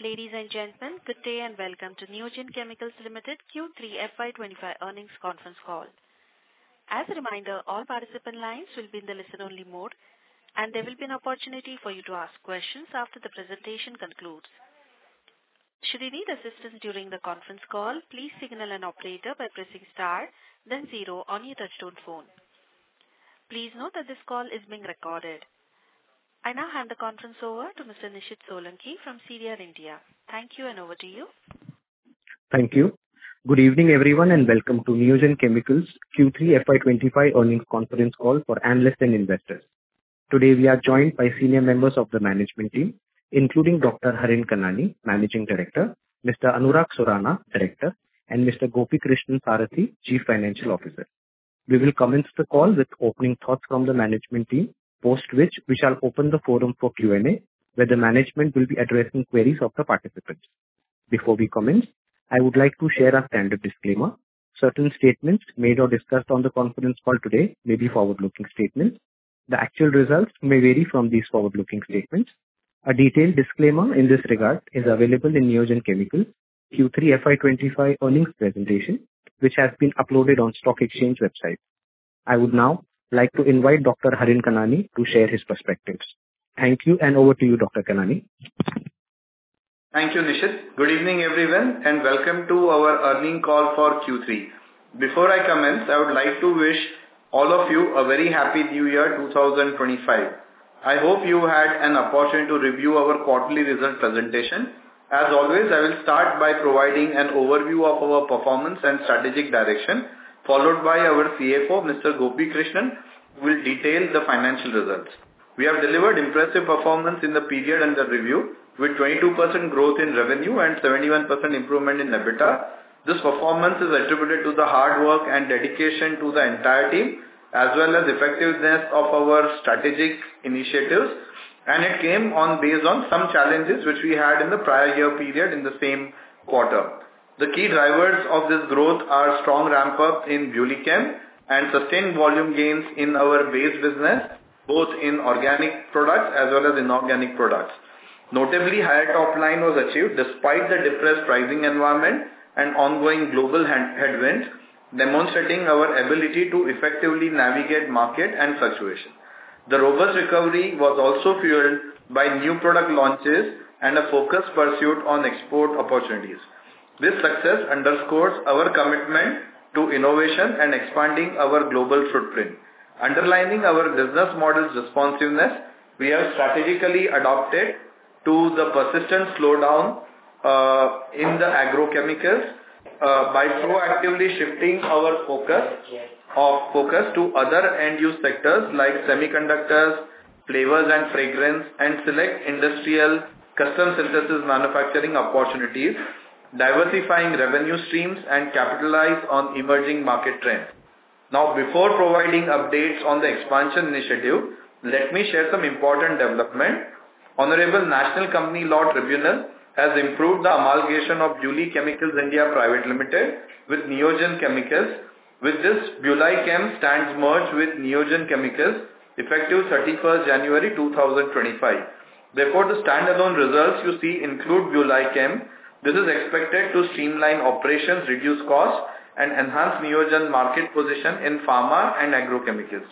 Ladies and gentlemen, good day and welcome to Neogen Chemicals Limited Q3 FY25 earnings conference call. As a reminder, all participant lines will be in the listen-only mode, and there will be an opportunity for you to ask questions after the presentation concludes. Should you need assistance during the conference call, please signal an operator by pressing star, then zero on your touch-tone phone. Please note that this call is being recorded. I now hand the conference over to Mr. Nishid Solanki from CDR India. Thank you, and over to you. Thank you. Good evening, everyone, and welcome to Neogen Chemicals Q3 FY25 earnings conference call for analysts and investors. Today, we are joined by senior members of the management team, including Dr. Harin Kanani, MD, Mr. Anurag Surana, Director, and Mr. Gopi Krishnan Sarathy, CFO. We will commence the call with opening thoughts from the management team, post which we shall open the forum for Q&A, where the management will be addressing queries of the participants. Before we commence, I would like to share a standard disclaimer. Certain statements made or discussed on the conference call today may be forward-looking statements. The actual results may vary from these forward-looking statements. A detailed disclaimer in this regard is available in Neogen Chemicals Q3 FY25 earnings presentation, which has been uploaded on the stock exchange website. I would now like to invite Dr. Harin Kanani to share his perspectives. Thank you, and over to you, Dr. Kanani. Thank you, Nishid. Good evening, everyone, and welcome to our earnings call for Q3. Before I commence, I would like to wish all of you a very happy New Year 2025. I hope you had an opportunity to review our quarterly results presentation. As always, I will start by providing an overview of our performance and strategic direction, followed by our CFO, Mr. Gopi Krishnan Sarathy, who will detail the financial results. We have delivered impressive performance in the period under review, with 22% growth in revenue and 71% improvement in EBITDA. This performance is attributed to the hard work and dedication of the entire team, as well as the effectiveness of our strategic initiatives, and it came based on some challenges which we had in the prior year period in the same quarter. The key drivers of this growth are strong ramp-up in BuLi Chem and sustained volume gains in our base business, both in organic products as well as inorganic products. Notably, higher top line was achieved despite the depressed pricing environment and ongoing global headwinds, demonstrating our ability to effectively navigate market and fluctuation. The robust recovery was also fueled by new product launches and a focus pursued on export opportunities. This success underscores our commitment to innovation and expanding our global footprint. Underlining our business model's responsiveness, we have strategically adapted to the persistent slowdown in the agrochemicals by proactively shifting our focus to other end-use sectors like semiconductors, flavors and fragrance, and select industrial custom synthesis manufacturing opportunities, diversifying revenue streams and capitalizing on emerging market trends. Now, before providing updates on the expansion initiative, let me share some important developments. Honorable National Company Law Tribunal has approved the amalgamation of BuLi Chemicals India Pvt. Ltd. with Neogen Chemicals, with this BuLi Chemicals stands merged with Neogen Chemicals, effective 31 January 2025. Therefore, the standalone results you see include BuLi Chemicals. This is expected to streamline operations, reduce costs, and enhance Neogen's market position in pharma and agrochemicals.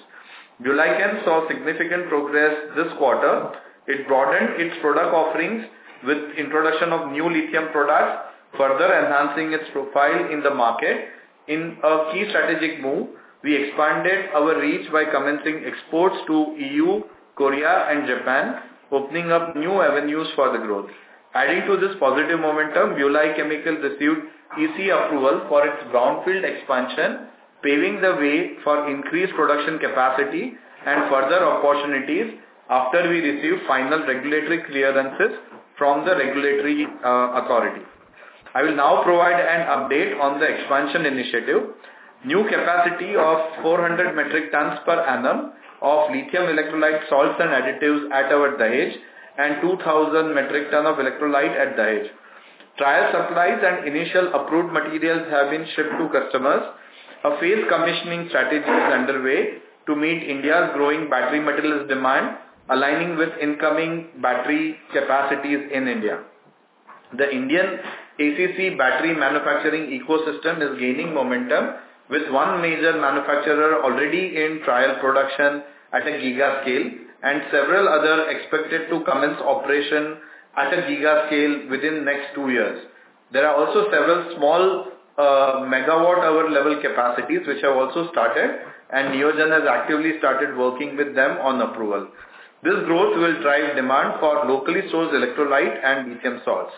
BuLi Chemicals saw significant progress this quarter. It broadened its product offerings with the introduction of new lithium products, further enhancing its profile in the market. In a key strategic move, we expanded our reach by commencing exports to EU, Korea, and Japan, opening up new avenues for the growth. Adding to this positive momentum, BuLi Chemicals received EC approval for its brownfield expansion, paving the way for increased production capacity and further opportunities after we received final regulatory clearances from the regulatory authority. I will now provide an update on the expansion initiative. New capacity of 400 metric tons per annum of lithium electrolyte salts and additives at our Dahej and 2,000 metric tons of electrolyte at Dahej. Trial supplies and initial approved materials have been shipped to customers. A phased commissioning strategy is underway to meet India's growing battery materials demand, aligning with incoming battery capacities in India. The Indian ACC battery manufacturing ecosystem is gaining momentum, with one major manufacturer already in trial production at a giga scale, and several others expected to commence operation at a giga scale within the next two years. There are also several small megawatt-hour level capacities which have also started, and Neogen has actively started working with them on approval. This growth will drive demand for locally sourced electrolyte and lithium salts.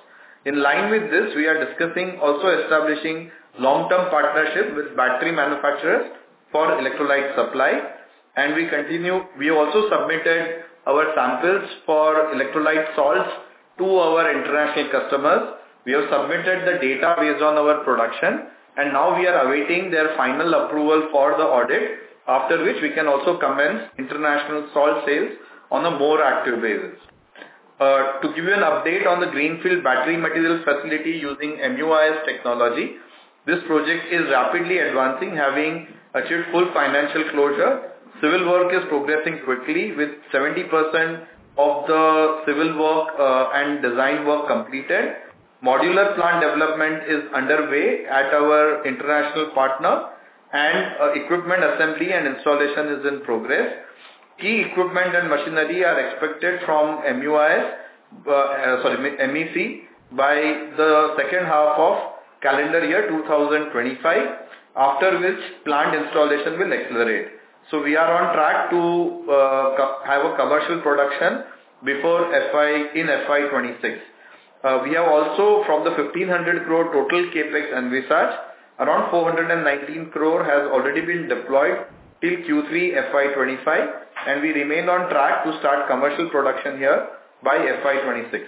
In line with this, we are discussing also establishing long-term partnerships with battery manufacturers for electrolyte supply, and we also submitted our samples for electrolyte salts to our international customers. We have submitted the data based on our production, and now we are awaiting their final approval for the audit, after which we can also commence international salt sales on a more active basis. To give you an update on the greenfield battery materials facility using MUIS technology, this project is rapidly advancing, having achieved full financial closure. Civil work is progressing quickly, with 70% of the civil work and design work completed. Modular plant development is underway at our international partner, and equipment assembly and installation is in progress. Key equipment and machinery are expected from MUIS, sorry, MEC, by the second half of calendar year 2025, after which plant installation will accelerate. We are on track to have commercial production in FY26. We have also, from the 1,500 crore total CapEx and research, around 419 crore has already been deployed till Q3 FY25, and we remain on track to start commercial production here by FY26.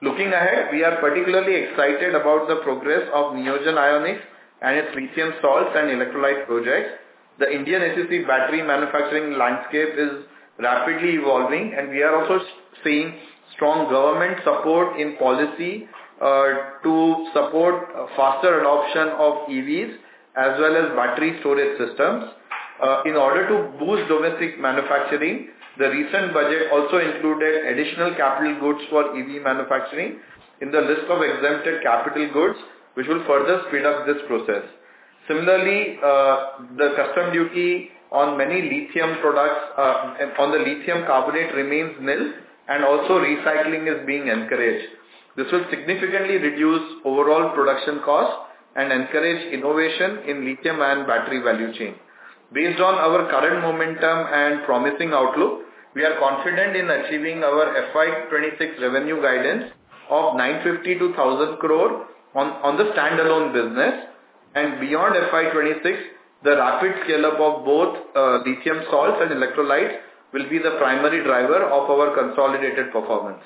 Looking ahead, we are particularly excited about the progress of Neogen Ionics and its lithium salts and electrolyte projects. The Indian EV battery manufacturing landscape is rapidly evolving, and we are also seeing strong government support in policy to support faster adoption of EVs as well as battery storage systems in order to boost domestic manufacturing. The recent budget also included additional capital goods for EV manufacturing in the list of exempted capital goods, which will further speed up this process. Similarly, the customs duty on many lithium products and on the lithium carbonate remains nil, and also recycling is being encouraged. This will significantly reduce overall production costs and encourage innovation in lithium and battery value chain. Based on our current momentum and promising outlook, we are confident in achieving our FY26 revenue guidance of 950-1,000 crore on the standalone business, and beyond FY26, the rapid scale-up of both lithium salts and electrolytes will be the primary driver of our consolidated performance.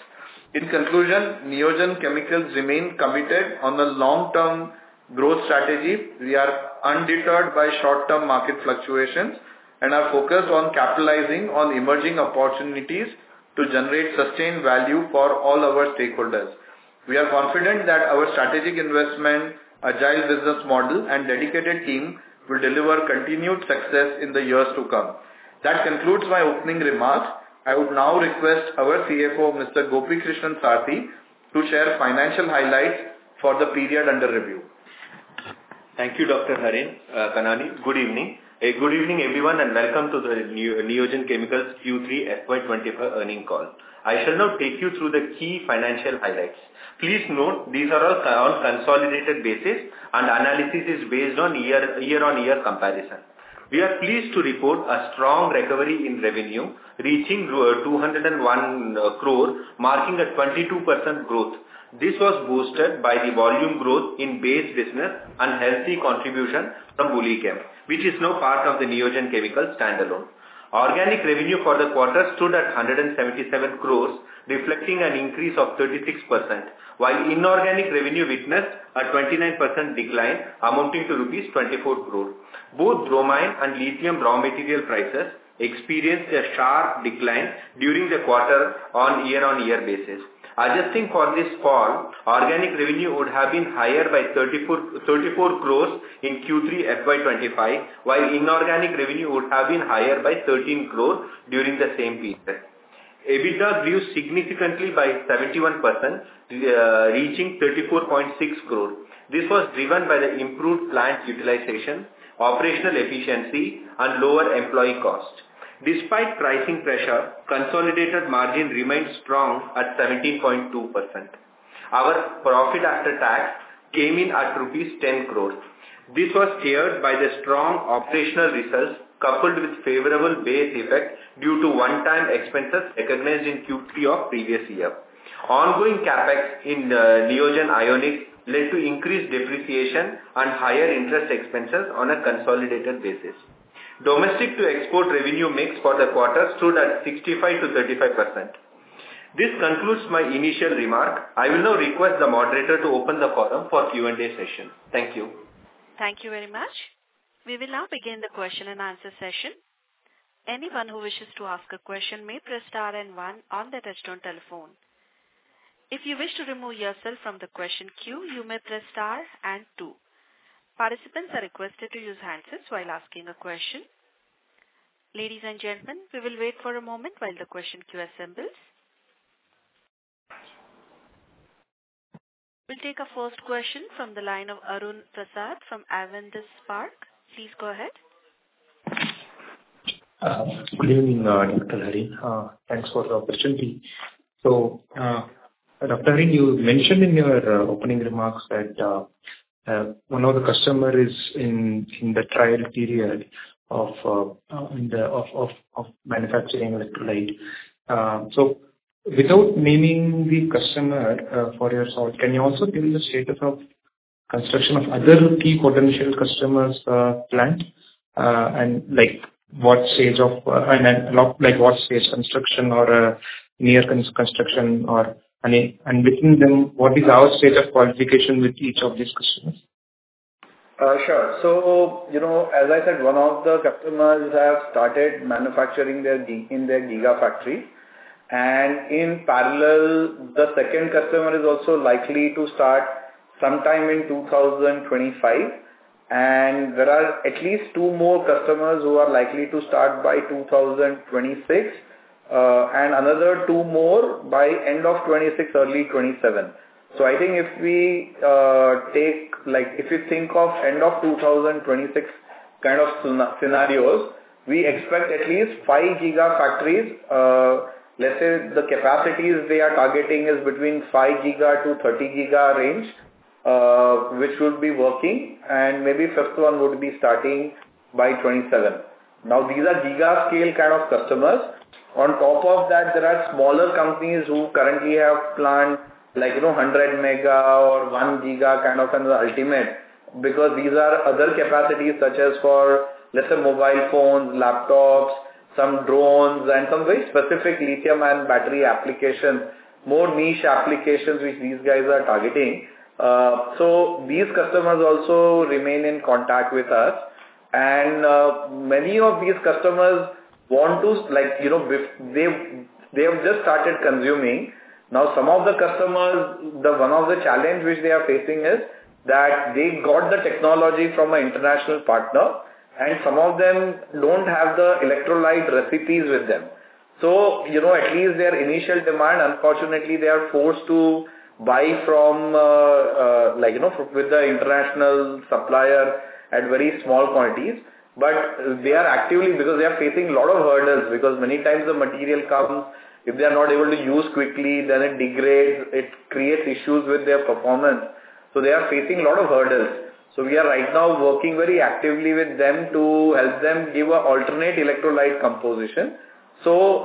In conclusion, Neogen Chemicals remains committed to a long-term growth strategy. We are undeterred by short-term market fluctuations and are focused on capitalizing on emerging opportunities to generate sustained value for all our stakeholders. We are confident that our strategic investment, agile business model, and dedicated team will deliver continued success in the years to come. That concludes my opening remarks. I would now request our CFO, Mr. Gopi Krishnan Sarathy, to share financial highlights for the period under review. Thank you, Dr. Harin Kanani. Good evening. A good evening, everyone, and welcome to the Neogen Chemicals Q3 FY25 earnings call. I shall now take you through the key financial highlights. Please note, these are all on consolidated basis, and analysis is based on year-on-year comparison. We are pleased to report a strong recovery in revenue, reaching 201 crore, marking a 22% growth. This was boosted by the volume growth in base business and healthy contribution from BuLi Chem, which is now part of the Neogen Chemicals standalone. Organic revenue for the quarter stood at 177 crores, reflecting an increase of 36%, while inorganic revenue witnessed a 29% decline, amounting to rupees 24 crore. Both bromine and lithium raw material prices experienced a sharp decline during the quarter on year-on-year basis. Adjusting for this fall, organic revenue would have been higher by 34 crores in Q3 FY25, while inorganic revenue would have been higher by 13 crores during the same period. EBITDA grew significantly by 71%, reaching 34.6 crore. This was driven by the improved plant utilization, operational efficiency, and lower employee costs. Despite pricing pressure, consolidated margin remained strong at 17.2%. Our profit after tax came in at rupees 10 crores. This was tied by the strong operational results, coupled with favorable base effect due to one-time expenses recognized in Q3 of previous year. Ongoing Capex in Neogen Ionics led to increased depreciation and higher interest expenses on a consolidated basis. Domestic-to-export revenue mix for the quarter stood at 65 to 35%. This concludes my initial remark. I will now request the moderator to open the forum for Q&A session. Thank you. Thank you very much. We will now begin the question and answer session. Anyone who wishes to ask a question may press star and one on the touch-tone telephone. If you wish to remove yourself from the question queue, you may press star and two. Participants are requested to use handsets while asking a question. Ladies and gentlemen, we will wait for a moment while the question queue assembles. We'll take a first question from the line of Arun Prasad from Avendus Spark. Please go ahead. Good evening, Dr. Harin. Thanks for the opportunity. So, Dr. Harin, you mentioned in your opening remarks that one of the customers is in the trial period of manufacturing electrolyte. So, without naming the customer for yourself, can you also tell me the status of construction of other key potential customers' plants and what stage of construction or near construction, and between them, what is our state of qualification with each of these customers? Sure. So, as I said, one of the customers has started manufacturing in their giga factory. And in parallel, the second customer is also likely to start sometime in 2025. And there are at least two more customers who are likely to start by 2026, and another two more by end of 2026, early 2027. So, I think if we take, if you think of end of 2026 kind of scenarios, we expect at least five giga factories. Let's say the capacities they are targeting is between five giga to 30 giga range, which would be working, and maybe fifth one would be starting by 2027. Now, these are giga scale kind of customers. On top of that, there are smaller companies who currently have plants like 100 mega or 1 giga kind of an ultimate because these are other capacities such as for, let's say, mobile phones, laptops, some drones, and some very specific lithium and battery applications, more niche applications which these guys are targeting. So, these customers also remain in contact with us. And many of these customers want to, they have just started consuming. Now, some of the customers, one of the challenges which they are facing is that they got the technology from an international partner, and some of them don't have the electrolyte recipes with them. So, at least their initial demand, unfortunately, they are forced to buy from with the international supplier at very small quantities. But they are actively, because they are facing a lot of hurdles, because many times the material comes, if they are not able to use quickly, then it degrades, it creates issues with their performance. So, they are facing a lot of hurdles. So, we are right now working very actively with them to help them give an alternate electrolyte composition so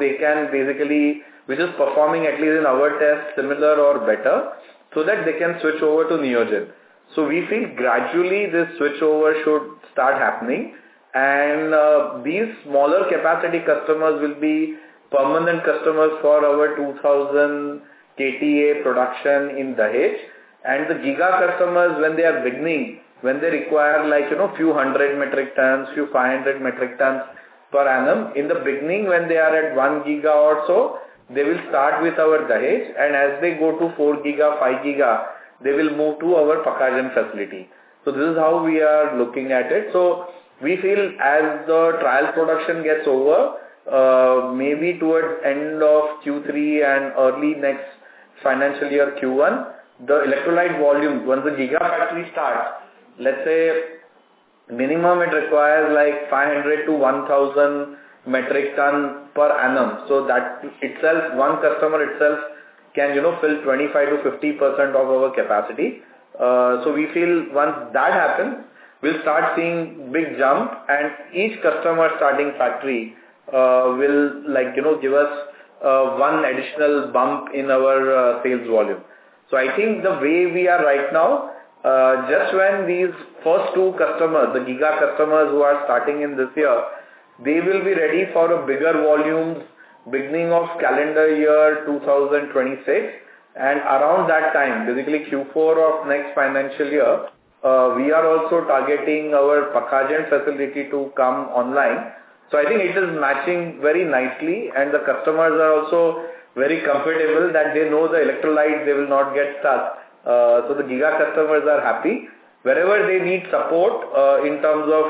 they can basically, which is performing at least in our test similar or better, so that they can switch over to Neogen. So, we think gradually this switchover should start happening. And these smaller capacity customers will be permanent customers for our 2,000 KTA production in Dahej. And the giga customers, when they are beginning, when they require a few hundred metric tons, a few 500 metric tons per annum, in the beginning, when they are at 1 giga or so, they will start with our Dahej. As they go to 4 giga, 5 giga, they will move to our Pakhajan facility. This is how we are looking at it. We feel as the trial production gets over, maybe towards the end of Q3 and early next financial year Q1, the electrolyte volume, once the giga factory starts, let's say minimum it requires like 500-1,000 metric tons per annum. That itself, one customer itself can fill 25%-50% of our capacity. We feel once that happens, we'll start seeing big jump, and each customer starting factory will give us one additional bump in our sales volume. I think the way we are right now, just when these first two customers, the giga customers who are starting in this year, they will be ready for a bigger volume beginning of calendar year 2026. Around that time, basically Q4 of next financial year, we are also targeting our Pakhajan facility to come online. I think it is matching very nicely, and the customers are also very comfortable that they know the electrolyte they will not get stuck. The giga customers are happy. Wherever they need support in terms of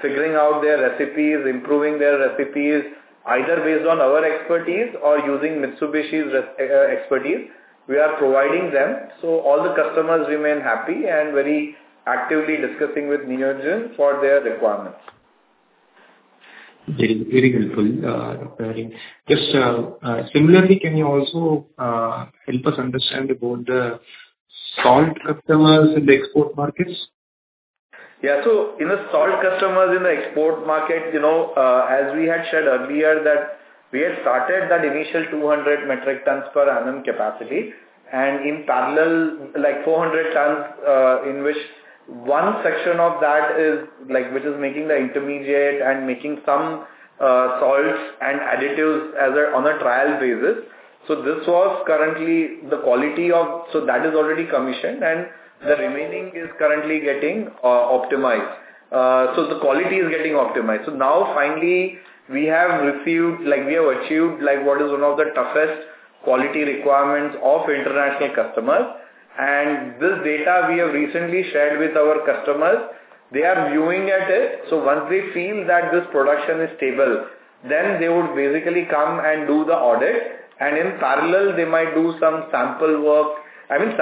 figuring out their recipes, improving their recipes, either based on our expertise or using Mitsubishi's expertise, we are providing them. All the customers remain happy and very actively discussing with Neogen for their requirements. Very helpful, Dr. Harin. Just similarly, can you also help us understand about the salt customers in the export markets? Yeah. So, in the salt customers in the export market, as we had said earlier, that we had started that initial 200 metric tons per annum capacity, and in parallel, like 400 tons in which one section of that is making the intermediate and making some salts and additives on a trial basis. So, that is already commissioned, and the remaining is currently getting optimized. So, the quality is getting optimized. Now finally, we have achieved what is one of the toughest quality requirements of international customers. And this data we have recently shared with our customers. They are viewing at it. Once they feel that this production is stable, then they would basically come and do the audit. And in parallel, they might do some sample work, I mean,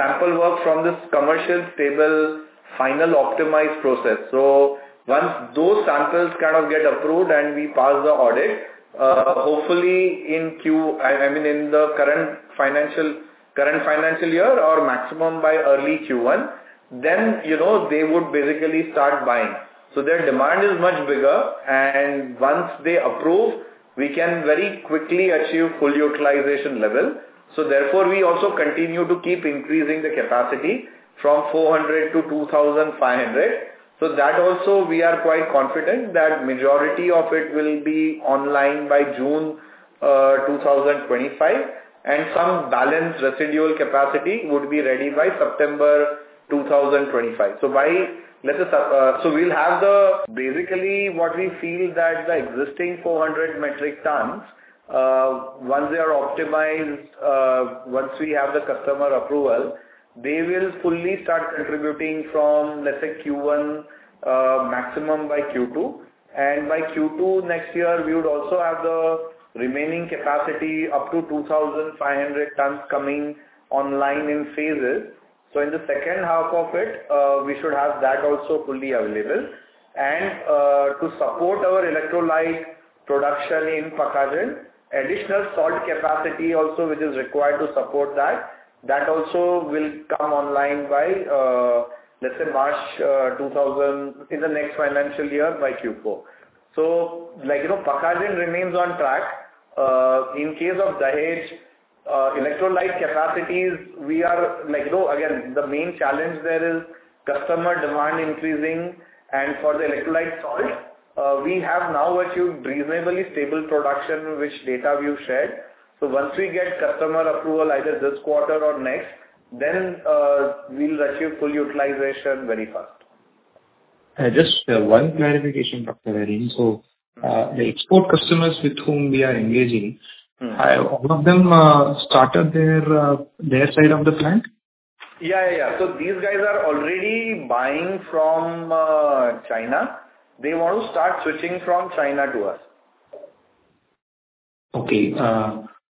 from this commercial stable final optimized process. So, once those samples kind of get approved and we pass the audit, hopefully in Q, I mean, in the current financial year or maximum by early Q1, then they would basically start buying. So, their demand is much bigger. And once they approve, we can very quickly achieve full utilization level. So, therefore, we also continue to keep increasing the capacity from 400 to 2,500. So, that also we are quite confident that majority of it will be online by June 2025, and some balanced residual capacity would be ready by September 2025. So, let's say, so we'll have the. Basically, what we feel that the existing 400 metric tons, once they are optimized, once we have the customer approval, they will fully start contributing from, let's say, Q1 maximum by Q2. By Q2 next year, we would also have the remaining capacity up to 2,500 tons coming online in phases. So, in the second half of it, we should have that also fully available. To support our electrolyte production in Pakhajan, additional salt capacity also which is required to support that, that also will come online by, let's say, March 2025 in the next financial year by Q4. So, Pakhajan remains on track. In case of Dahej's electrolyte capacities, we are, again, the main challenge there is customer demand increasing. For the electrolyte salt, we have now achieved reasonably stable production, which data we've shared. So, once we get customer approval either this quarter or next, then we'll achieve full utilization very fast. Just one clarification, Dr. Harin. So, the export customers with whom we are engaging, have all of them started their side of the plant? Yeah, yeah, yeah. So, these guys are already buying from China. They want to start switching from China to us. Okay.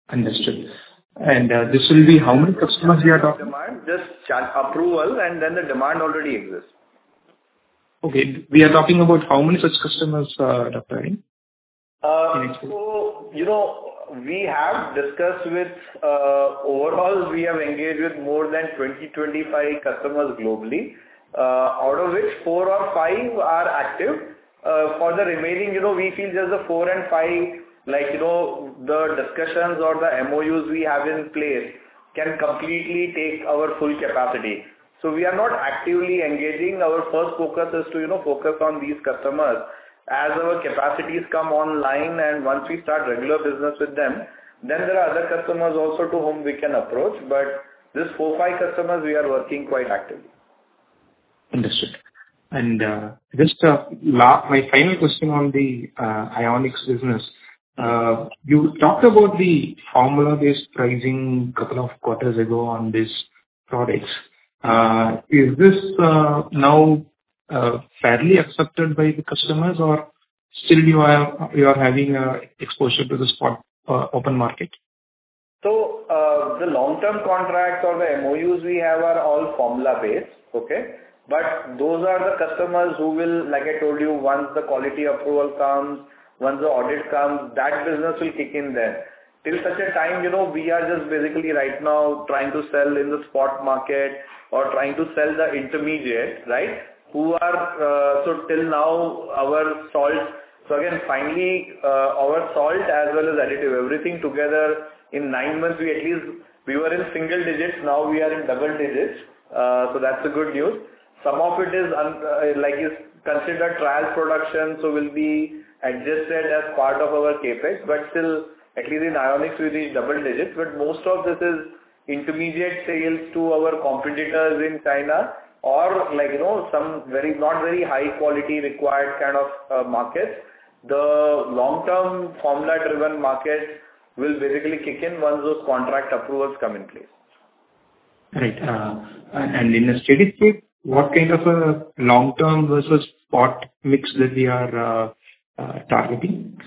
Understood, and this will be how many customers you are talking about? Just approval, and then the demand already exists. Okay. We are talking about how many such customers, Dr. Harin? Overall, we have engaged with more than 20-25 customers globally, out of which four or five are active. For the remaining, we feel, like the discussions or the MOUs we have in place, can completely take our full capacity. We are not actively engaging. Our first focus is to focus on these customers. As our capacities come online and once we start regular business with them, then there are other customers also to whom we can approach. These four or five customers, we are working quite actively. Understood. And just my final question on the Ionics business. You talked about the formula-based pricing a couple of quarters ago on these products. Is this now fairly accepted by the customers, or still you are having exposure to the open market? So, the long-term contracts or the MOUs we have are all formula-based, okay? But those are the customers who will, like I told you, once the quality approval comes, once the audit comes, that business will kick in there. Till such a time, we are just basically right now trying to sell in the spot market or trying to sell the intermediate, right? So, till now, our salt, so again, finally, our salt as well as additive, everything together in nine months, we at least were in single digits. Now we are in double digits. So, that's the good news. Some of it is considered trial production, so will be adjusted as part of our CapEx. But still, at least in Ionics, we reach double digits. But most of this is intermediate sales to our competitors in China or some not very high-quality required kind of markets. The long-term formula-driven market will basically kick in once those contract approvals come in place. Great. And in a steady state, what kind of a long-term versus spot mix that we are targeting?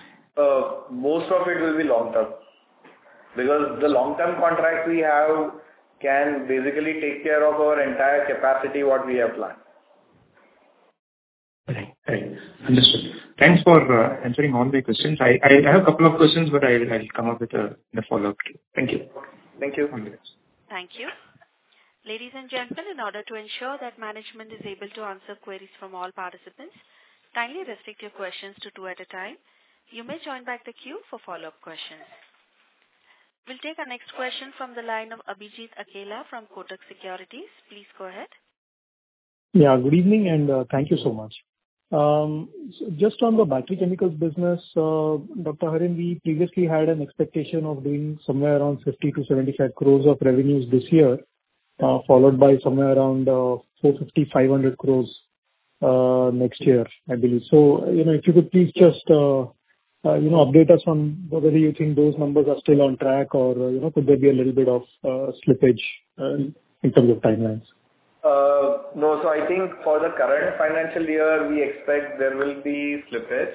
Most of it will be long-term because the long-term contracts we have can basically take care of our entire capacity, what we have planned. Right. Right. Understood. Thanks for answering all the questions. I have a couple of questions, but I'll come up with the follow-up. Thank you. Thank you. Thank you. Ladies and gentlemen, in order to ensure that management is able to answer queries from all participants, kindly restrict your questions to two at a time. You may join back the queue for follow-up questions. We'll take our next question from the line of Abhijit Akela from Kotak Securities. Please go ahead. Yeah. Good evening and thank you so much. Just on the battery chemicals business, Dr. Harin, we previously had an expectation of doing somewhere around 50-75 crores of revenues this year, followed by somewhere around 450-500 crores next year, I believe. So, if you could please just update us on whether you think those numbers are still on track or could there be a little bit of slippage in terms of timelines? No. So, I think for the current financial year, we expect there will be slippage,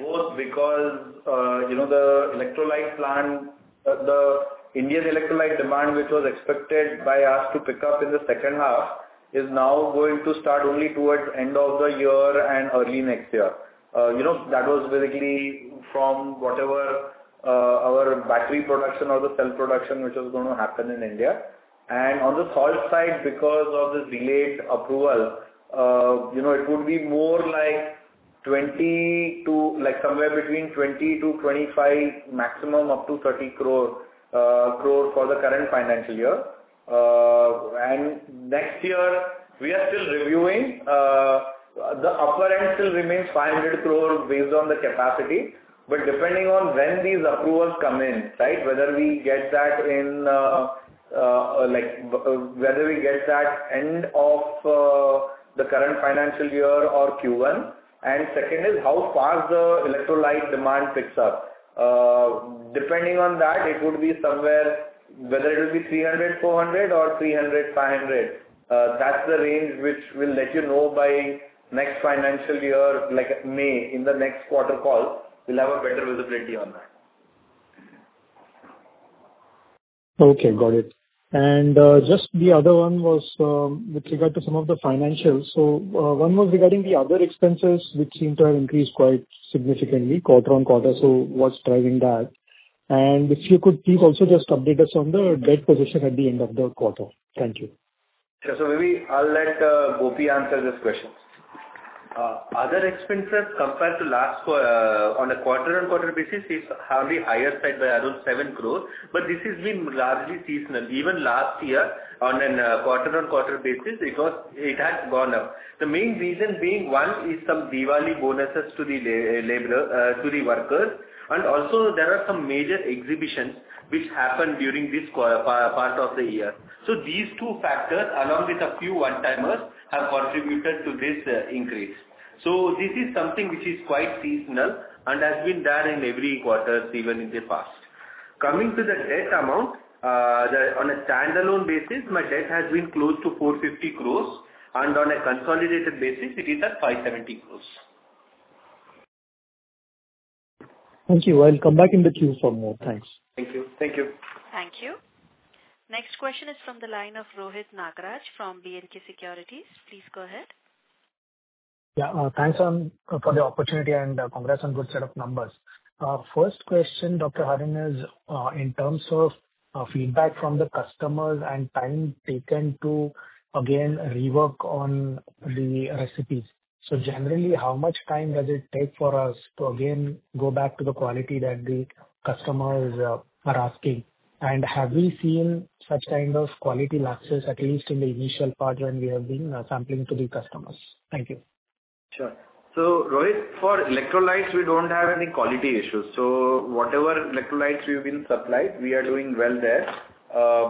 both because the electrolyte plant, the India's electrolyte demand, which was expected by us to pick up in the second half, is now going to start only towards the end of the year and early next year. That was basically from whatever our battery production or the cell production which was going to happen in India. And on the salt side, because of this delayed approval, it would be more like somewhere between 20 crore to 25 crore, maximum up to 30 crore for the current financial year. And next year, we are still reviewing. The upper end still remains 500 crore based on the capacity. But depending on when these approvals come in, right, whether we get that in, whether we get that end of the current financial year or Q1. Second is how fast the electrolyte demand picks up. Depending on that, it would be somewhere whether it will be 300, 400, or 300, 500. That's the range which we'll let you know by next financial year, like May, in the next quarter call. We'll have a better visibility on that. Okay. Got it. And just the other one was with regard to some of the financials. So, one was regarding the other expenses, which seem to have increased quite significantly quarter on quarter. So, what's driving that? And if you could please also just update us on the debt position at the end of the quarter. Thank you. Yeah. So, maybe I'll let Gopi answer this question. Other expenses compared to last, on a quarter-on-quarter basis, is on the higher side by around 7 crore. But this has been largely seasonal. Even last year on a quarter-on-quarter basis, it has gone up. The main reason being one is some Diwali bonuses to the workers. And also, there are some major exhibitions which happened during this part of the year. So, these two factors, along with a few one-timers, have contributed to this increase. So, this is something which is quite seasonal and has been there in every quarter, even in the past. Coming to the debt amount, on a standalone basis, my debt has been close to 450 crores. And on a consolidated basis, it is at 570 crores. Thank you. I'll come back in the queue for more. Thanks. Thank you. Thank you. Thank you. Next question is from the line of Rohit Nagraj from BNK Securities. Please go ahead. Yeah. Thanks for the opportunity and congrats on good set of numbers. First question, Dr. Harin, is in terms of feedback from the customers and time taken to, again, rework on the recipes. So, generally, how much time does it take for us to, again, go back to the quality that the customers are asking? And have we seen such kind of quality lapses, at least in the initial part when we have been sampling to the customers? Thank you. Sure. So, Rohit, for electrolytes, we don't have any quality issues. So, whatever electrolytes we've been supplied, we are doing well there.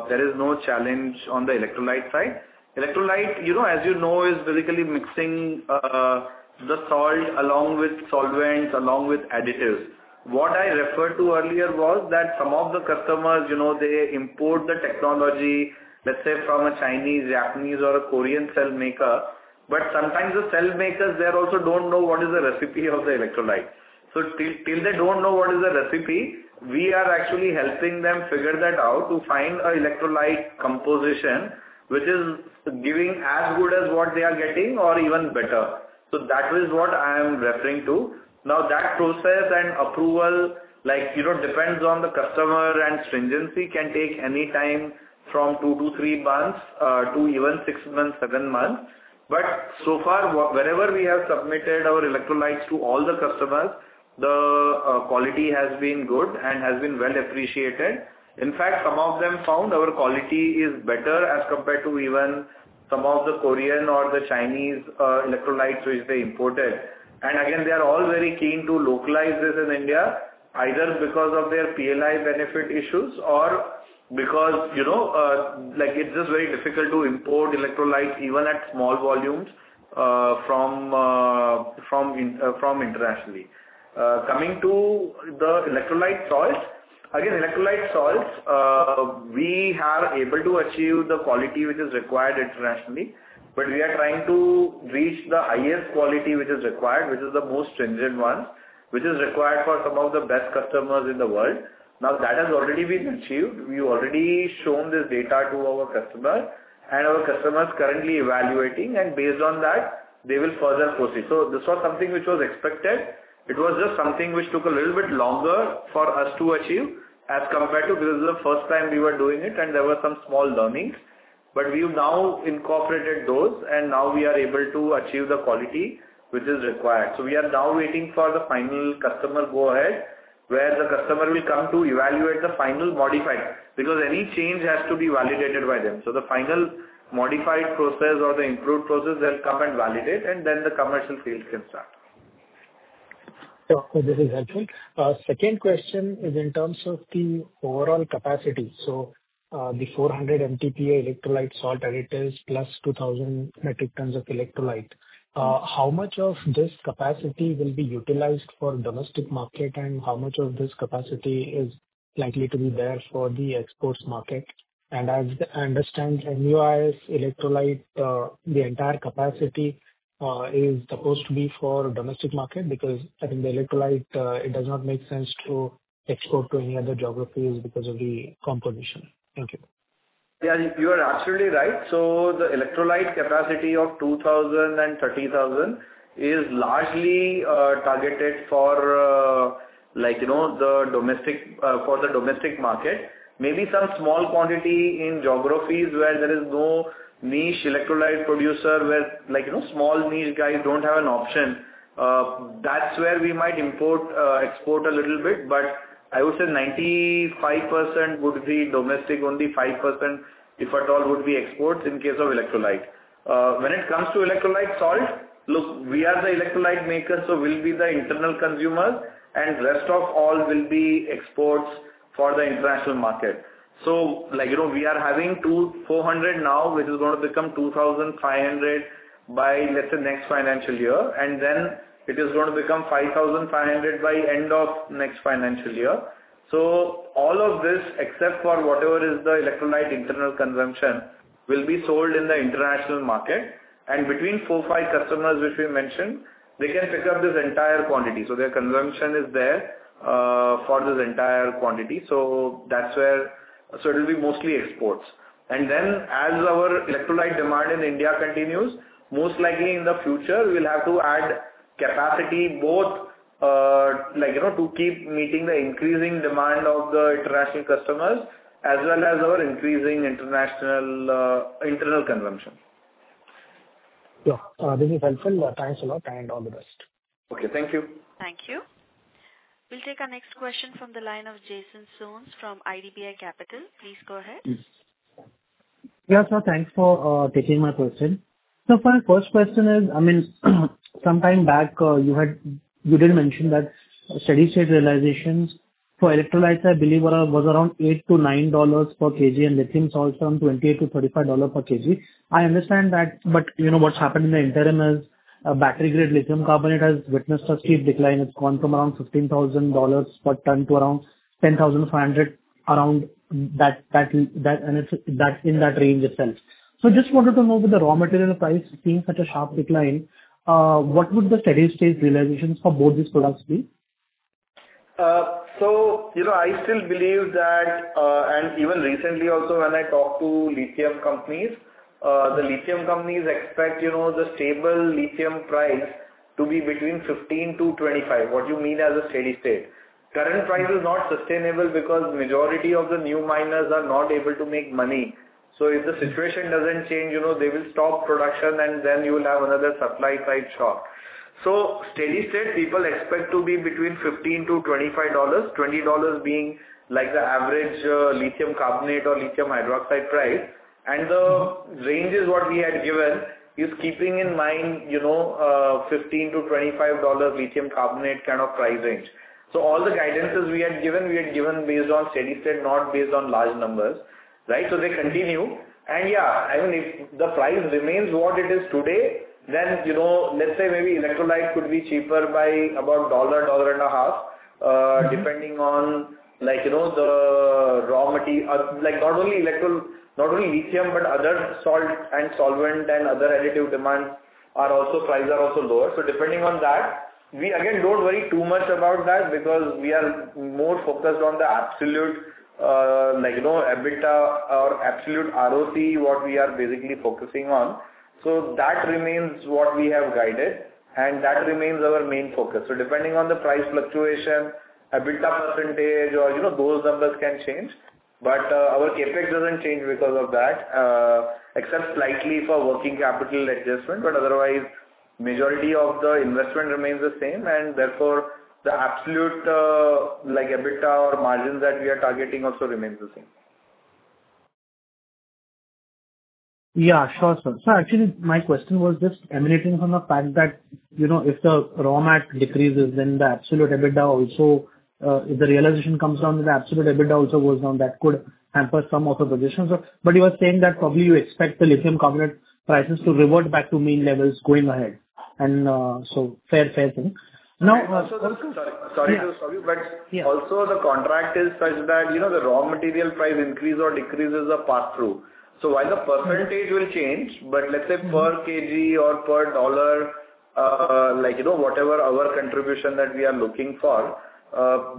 There is no challenge on the electrolyte side. Electrolyte, as you know, is basically mixing the salt along with solvents, along with additives. What I referred to earlier was that some of the customers, they import the technology, let's say, from a Chinese, Japanese, or a Korean cell maker. But sometimes the cell makers, they also don't know what is the recipe of the electrolyte. So, till they don't know what is the recipe, we are actually helping them figure that out to find an electrolyte composition which is giving as good as what they are getting or even better. So, that is what I am referring to. Now, that process and approval depends on the customer, and stringency can take any time from two to three months to even six months, seven months, but so far, wherever we have submitted our electrolytes to all the customers, the quality has been good and has been well appreciated. In fact, some of them found our quality is better as compared to even some of the Korean or the Chinese electrolytes which they imported, and again, they are all very keen to localize this in India, either because of their PLI benefit issues or because it's just very difficult to import electrolytes, even at small volumes, from internationally. Coming to the electrolyte salt, again, electrolyte salt, we are able to achieve the quality which is required internationally. But we are trying to reach the highest quality which is required, which is the most stringent one, which is required for some of the best customers in the world. Now, that has already been achieved. We have already shown this data to our customers, and our customers are currently evaluating. And based on that, they will further proceed. So, this was something which was expected. It was just something which took a little bit longer for us to achieve as compared to because it was the first time we were doing it, and there were some small learnings. But we have now incorporated those, and now we are able to achieve the quality which is required. So, we are now waiting for the final customer go-ahead, where the customer will come to evaluate the final modified because any change has to be validated by them. So, the final modified process or the improved process will come and validate, and then the commercial field can start. Sure. This is helpful. Second question is in terms of the overall capacity. So, the 400 MTPA electrolyte salt additives plus 2,000 metric tons of electrolyte, how much of this capacity will be utilized for the domestic market, and how much of this capacity is likely to be there for the exports market? And as I understand, MUIS's electrolyte, the entire capacity is supposed to be for the domestic market because I think the electrolyte, it does not make sense to export to any other geographies because of the composition. Thank you. Yeah. You are absolutely right. So, the electrolyte capacity of 2,000 and 30,000 is largely targeted for the domestic market. Maybe some small quantity in geographies where there is no niche electrolyte producer, where small niche guys don't have an option. That's where we might export a little bit. But I would say 95% would be domestic, only 5%, if at all, would be exports in case of electrolyte. When it comes to electrolyte salt, look, we are the electrolyte makers, so we'll be the internal consumers, and the rest of all will be exports for the international market. So, we are having 400 now, which is going to become 2,500 by, let's say, next financial year. And then it is going to become 5,500 by the end of next financial year. So, all of this, except for whatever is the electrolyte internal consumption, will be sold in the international market. And between four, five customers, which we mentioned, they can pick up this entire quantity. So, their consumption is there for this entire quantity. So, that's where it will be mostly exports. And then, as our electrolyte demand in India continues, most likely in the future, we'll have to add capacity both to keep meeting the increasing demand of the international customers as well as our increasing internal consumption. Yeah. This is helpful. Thanks a lot. And all the best. Okay. Thank you. Thank you. We'll take our next question from the line of Jason Soans from IDBI Capital. Please go ahead. Yes. Sir, thanks for taking my question. So, my first question is, I mean, sometime back, you did mention that steady-state realizations for electrolytes, I believe, was around $8-$9 per kg, and lithium salts around $28-$35 per kg. I understand that. But what's happened in the interim is battery-grade lithium carbonate has witnessed a steep decline. It's gone from around $15,000 per ton to around $10,500, around that in that range itself. So, I just wanted to know, with the raw material price seeing such a sharp decline, what would the steady-state realizations for both these products be? I still believe that, and even recently also, when I talked to lithium companies, the lithium companies expect the stable lithium price to be between $15-$25. What do you mean as a steady-state? Current price is not sustainable because the majority of the new miners are not able to make money. So, if the situation doesn't change, they will stop production, and then you will have another supply-side shock. So, steady-state people expect to be between $15-$25, $20 being the average lithium carbonate or lithium hydroxide price. And the range is what we had given is keeping in mind $15-$25 lithium carbonate kind of price range. So, all the guidance we had given, we had given based on steady-state, not based on large numbers, right? So, they continue. Yeah, I mean, if the price remains what it is today, then let's say maybe electrolyte could be cheaper by about $1, $1.50, depending on the raw material. Not only lithium, but other salt and solvent and other additive demands are also prices are also lower. So, depending on that, we again don't worry too much about that because we are more focused on the absolute EBITDA or absolute ROC, what we are basically focusing on. So, that remains what we have guided, and that remains our main focus. So, depending on the price fluctuation, EBITDA percentage or those numbers can change. But our CapEx doesn't change because of that, except slightly for working capital adjustment. But otherwise, the majority of the investment remains the same. And therefore, the absolute EBITDA or margin that we are targeting also remains the same. Yeah. Sure, sir. Sir, actually, my question was just emanating from the fact that if the raw mat decreases, then the absolute EBITDA also, if the realization comes down to the absolute EBITDA also goes down, that could hamper some of the positions. But you are saying that probably you expect the lithium carbonate prices to revert back to mean levels going ahead. And so, fair thing. Now. Sorry to stop you. Also, the contract is such that the raw material price increase or decrease is a pass-through. While the percentage will change, but let's say per kg or per dollar, whatever our contribution that we are looking for,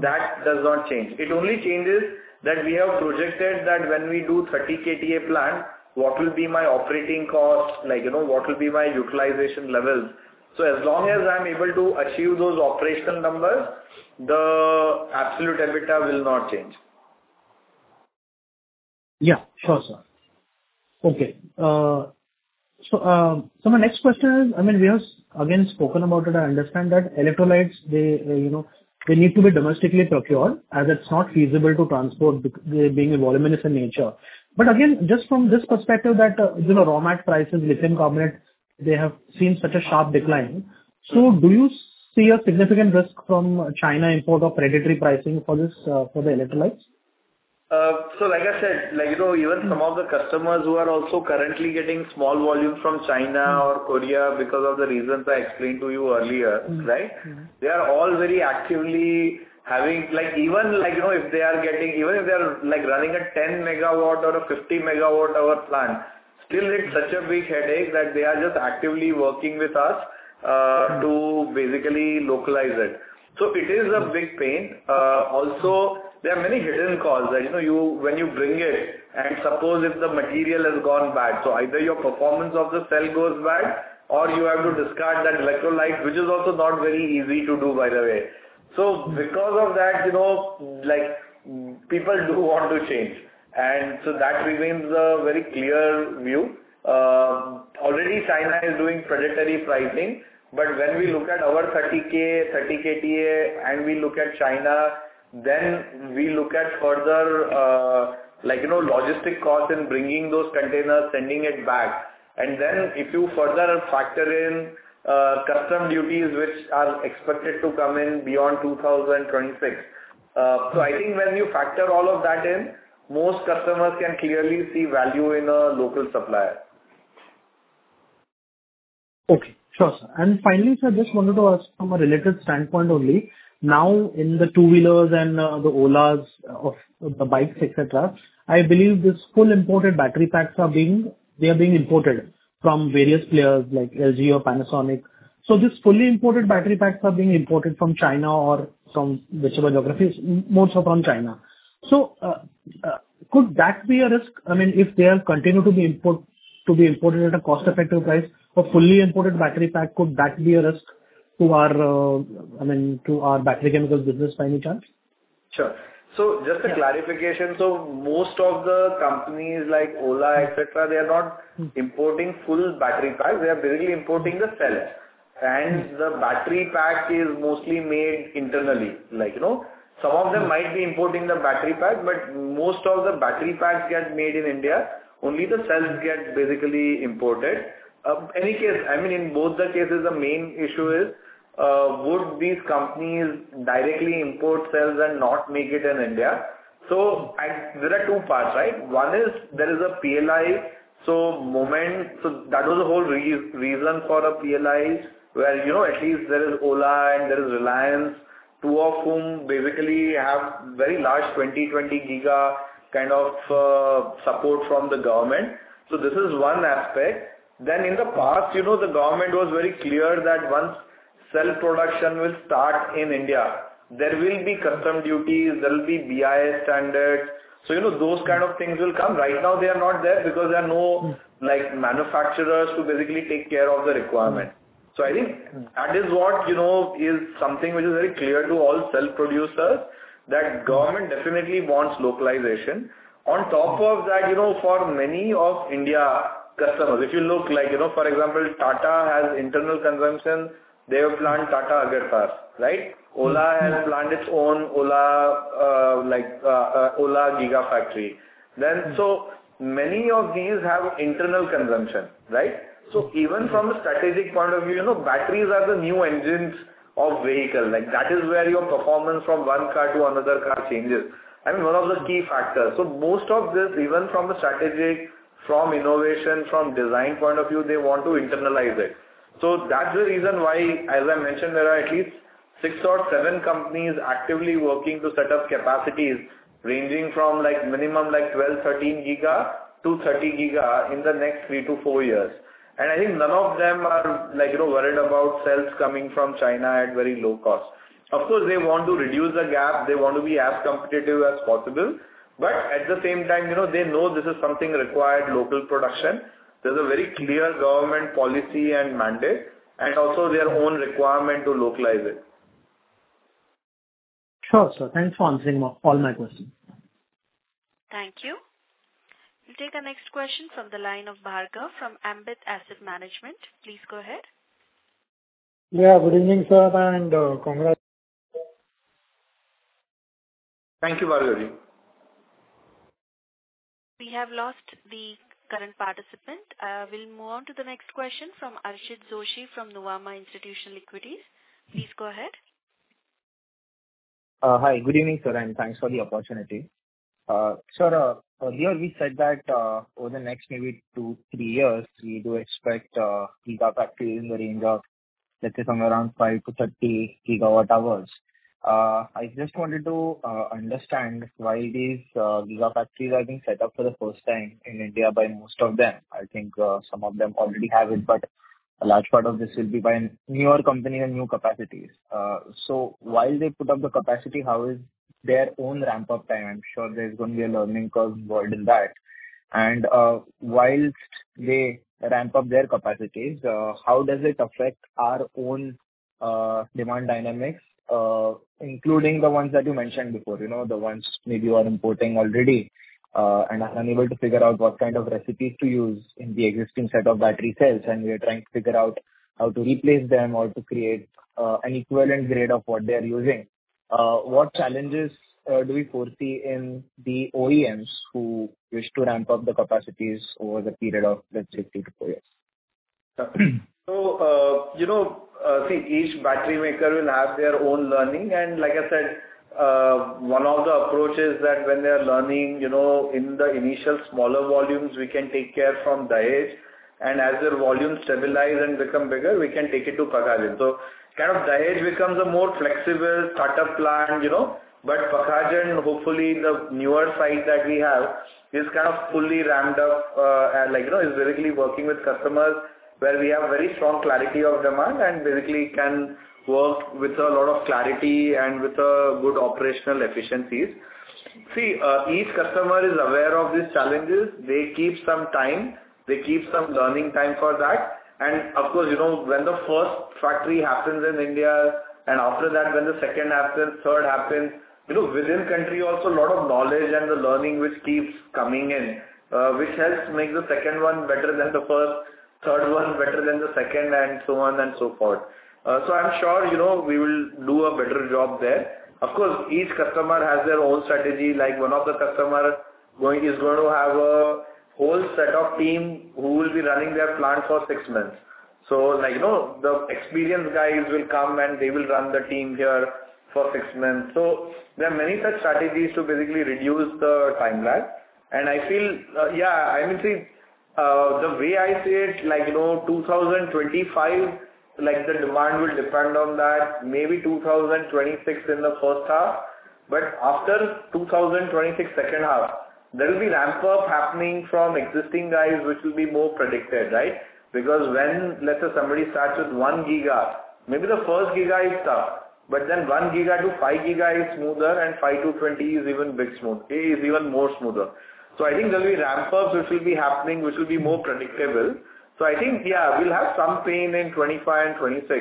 that does not change. It only changes that we have projected that when we do 30 KTA plant, what will be my operating cost, what will be my utilization levels. As long as I'm able to achieve those operational numbers, the absolute EBITDA will not change. Yeah. Sure, sir. Okay. So, my next question is, I mean, we have again spoken about it. I understand that electrolytes, they need to be domestically procured as it's not feasible to transport being a voluminous in nature. But again, just from this perspective that raw mat prices, lithium carbonate, they have seen such a sharp decline. So, do you see a significant risk from China import of predatory pricing for the electrolytes? Like I said, even some of the customers who are also currently getting small volumes from China or Korea because of the reasons I explained to you earlier, right? They are all very actively having even if they are getting even if they are running a 10-megawatt or a 50-megawatt-hour plant, still it's such a big headache that they are just actively working with us to basically localize it. It is a big pain. Also, there are many hidden costs that when you bring it and suppose if the material has gone bad, so either your performance of the cell goes bad or you have to discard that electrolyte, which is also not very easy to do, by the way. Because of that, people do want to change. That remains a very clear view. Already, China is doing predatory pricing. But when we look at our 30K, 30 KTA, and we look at China, then we look at further logistic costs in bringing those containers, sending it back. And then, if you further factor in customs duties which are expected to come in beyond 2026, so I think when you factor all of that in, most customers can clearly see value in a local supplier. Okay. Sure, sir. And finally, sir, just wanted to ask from a related standpoint only. Now, in the two-wheelers and the Ola's of the bikes, etc., I believe these fully imported battery packs are being imported from various players like LG or Panasonic. So, these fully imported battery packs are being imported from China or from whichever geographies, most are from China. So, could that be a risk? I mean, if they continue to be imported at a cost-effective price for fully imported battery pack, could that be a risk to our battery chemical business by any chance? Sure. So, just a clarification. So, most of the companies like OLA, etc., they are not importing full battery packs. They are basically importing the cells. And the battery pack is mostly made internally. Some of them might be importing the battery pack, but most of the battery packs get made in India. Only the cells get basically imported. In any case, I mean, in both the cases, the main issue is, would these companies directly import cells and not make it in India? So, there are two parts, right? One is there is a PLI. So, that was the whole reason for the PLIs, where at least there is OLA and there is Reliance, two of whom basically have very large 20, 20 giga kind of support from the government. So, this is one aspect. Then, in the past, the government was very clear that once cell production will start in India, there will be customs duties, there will be BIS standards. So, those kind of things will come. Right now, they are not there because there are no manufacturers to basically take care of the requirement. So, I think that is what is something which is very clear to all cell producers that government definitely wants localization. On top of that, for many of Indian customers, if you look like, for example, Tata has internal consumption. They have plant Tata Agentas, right? OLA has plant its own OLA giga factory. So, many of these have internal consumption, right? So, even from a strategic point of view, batteries are the new engines of vehicles. That is where your performance from one car to another car changes. I mean, one of the key factors. Most of this, even from a strategic, from innovation, from design point of view, they want to internalize it. That's the reason why, as I mentioned, there are at least six or seven companies actively working to set up capacities ranging from minimum 12-13 giga to 30 giga in the next three to four years. I think none of them are worried about cells coming from China at very low cost. Of course, they want to reduce the gap. They want to be as competitive as possible. But at the same time, they know this is something required local production. There's a very clear government policy and mandate and also their own requirement to localize it. Sure, sir. Thanks for answering all my questions. Thank you. We'll take our next question from the line of Barker from Ambit Asset Management. Please go ahead. Yeah. Good evening, sir, and congrats. Thank you, Bhargav ji. We have lost the current participant. We'll move on to the next question from Archit Joshi from Nuvama Institutional Equities. Please go ahead. Hi. Good evening, sir, and thanks for the opportunity. Sir, earlier we said that over the next maybe two, three years, we do expect giga factories in the range of, let's say, somewhere around 5-30 gigawatt hours. I just wanted to understand why these giga factories are being set up for the first time in India by most of them. I think some of them already have it, but a large part of this will be by newer companies and new capacities, so while they put up the capacity, how is their own ramp-up time? I'm sure there's going to be a learning curve involved in that. While they ramp up their capacities, how does it affect our own demand dynamics, including the ones that you mentioned before, the ones maybe you are importing already and are unable to figure out what kind of recipes to use in the existing set of battery cells? We are trying to figure out how to replace them or to create an equivalent grade of what they are using. What challenges do we foresee in the OEMs who wish to ramp up the capacities over the period of, let's say, three to four years? So, I think each battery maker will have their own learning. And like I said, one of the approaches that when they are learning in the initial smaller volumes, we can take care from Dahej. And as their volumes stabilize and become bigger, we can take it to Pakhajan. So, kind of Dahej becomes a more flexible startup plant. But Pakhajan, hopefully, the newer site that we have is kind of fully ramped up and is basically working with customers where we have very strong clarity of demand and basically can work with a lot of clarity and with good operational efficiencies. See, each customer is aware of these challenges. They keep some time. They keep some learning time for that. And of course, when the first factory happens in India and after that, when the second happens, third happens, within country, also a lot of knowledge and the learning which keeps coming in, which helps make the second one better than the first, third one better than the second, and so on and so forth. So, I'm sure we will do a better job there. Of course, each customer has their own strategy. One of the customers is going to have a whole set of team who will be running their plant for six months. So, the experienced guys will come and they will run the team here for six months. So, there are many such strategies to basically reduce the timeline. And I feel, yeah, I mean, see, the way I see it, 2025, the demand will depend on that. Maybe 2026 in the first half. But after 2026 second half, there will be ramp-up happening from existing guys, which will be more predictive, right? Because when, let's say, somebody starts with one giga, maybe the first giga is tough, but then one giga to five giga is smoother, and five to 20 is even big smooth, is even more smoother. So, I think there will be ramp-up which will be happening, which will be more predictable. So, I think, yeah, we'll have some pain in 25 and 26.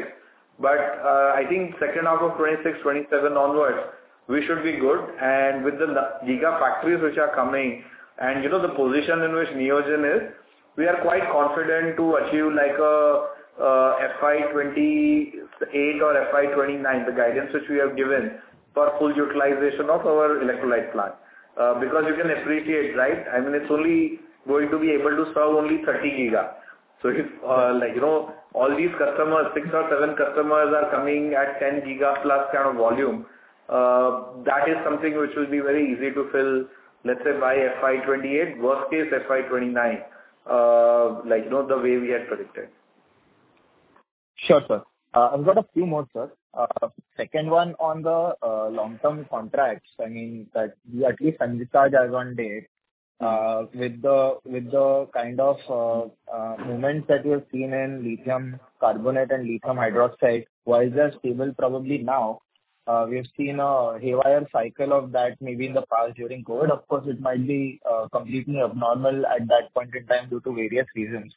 But I think second half of 26, 27 onwards, we should be good. And with the giga factories which are coming and the position in which Neogen is, we are quite confident to achieve FY28 or FY29, the guidance which we have given for full utilization of our electrolyte plant. Because you can appreciate, right? I mean, it's only going to be able to serve only 30 giga. So, all these customers, six or seven customers are coming at 10 giga plus kind of volume. That is something which will be very easy to fill, let's say, by FY28, worst case FY29, the way we had predicted. Sure, sir. I've got a few more, sir. Second one on the long-term contracts, I mean, that we at least can start as one day. With the kind of movement that we have seen in lithium carbonate and lithium hydroxide, while they are stable probably now, we have seen a haywire cycle of that maybe in the past during COVID. Of course, it might be completely abnormal at that point in time due to various reasons.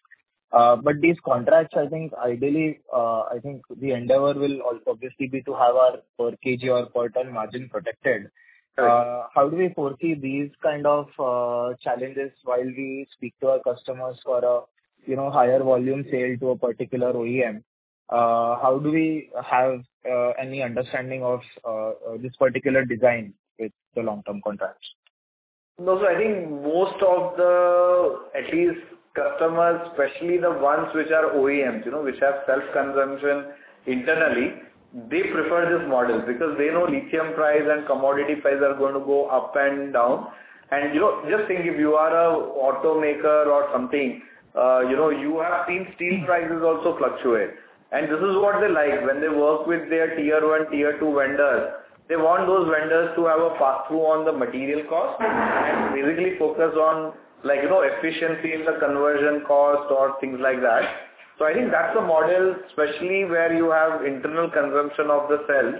But these contracts, I think, ideally, I think the endeavor will obviously be to have our per kg or per ton margin protected. How do we foresee these kind of challenges while we speak to our customers for a higher volume sale to a particular OEM? How do we have any understanding of this particular design with the long-term contracts? No, so I think most of the, at least customers, especially the ones which are OEMs, which have self-consumption internally, they prefer this model because they know lithium price and commodity price are going to go up and down. And just think if you are an automaker or something, you have seen steel prices also fluctuate. And this is what they like. When they work with their tier one, tier two vendors, they want those vendors to have a pass-through on the material cost and basically focus on efficiency in the conversion cost or things like that. So, I think that's the model, especially where you have internal consumption of the cells.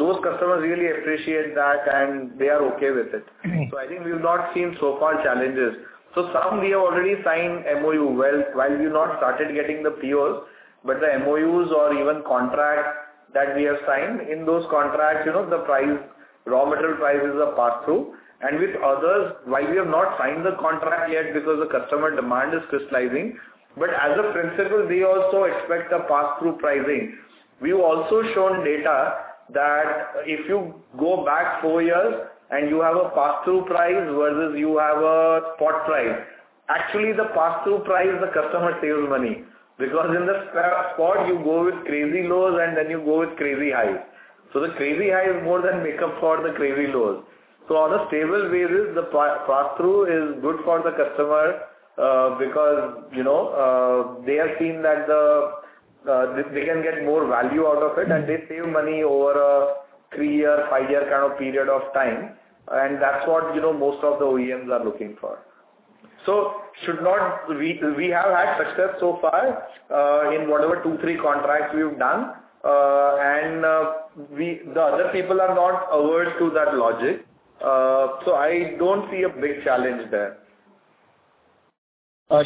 Those customers really appreciate that, and they are okay with it. So, I think we've not seen so far challenges. So, some, we have already signed MOU while we've not started getting the POs. But the MOUs or even contracts that we have signed, in those contracts, the raw material price is a pass-through. And with others, while we have not signed the contract yet because the customer demand is crystallizing, but as a principle, they also expect a pass-through pricing. We've also shown data that if you go back four years and you have a pass-through price versus you have a spot price, actually, the pass-through price, the customer saves money because in the spot, you go with crazy lows, and then you go with crazy highs. So, the crazy high is more than make up for the crazy lows. So, on a stable basis, the pass-through is good for the customer because they have seen that they can get more value out of it, and they save money over a three-year, five-year kind of period of time. And that's what most of the OEMs are looking for. So, we have had success so far in whatever two, three contracts we've done. And the other people are not averse to that logic. So, I don't see a big challenge there.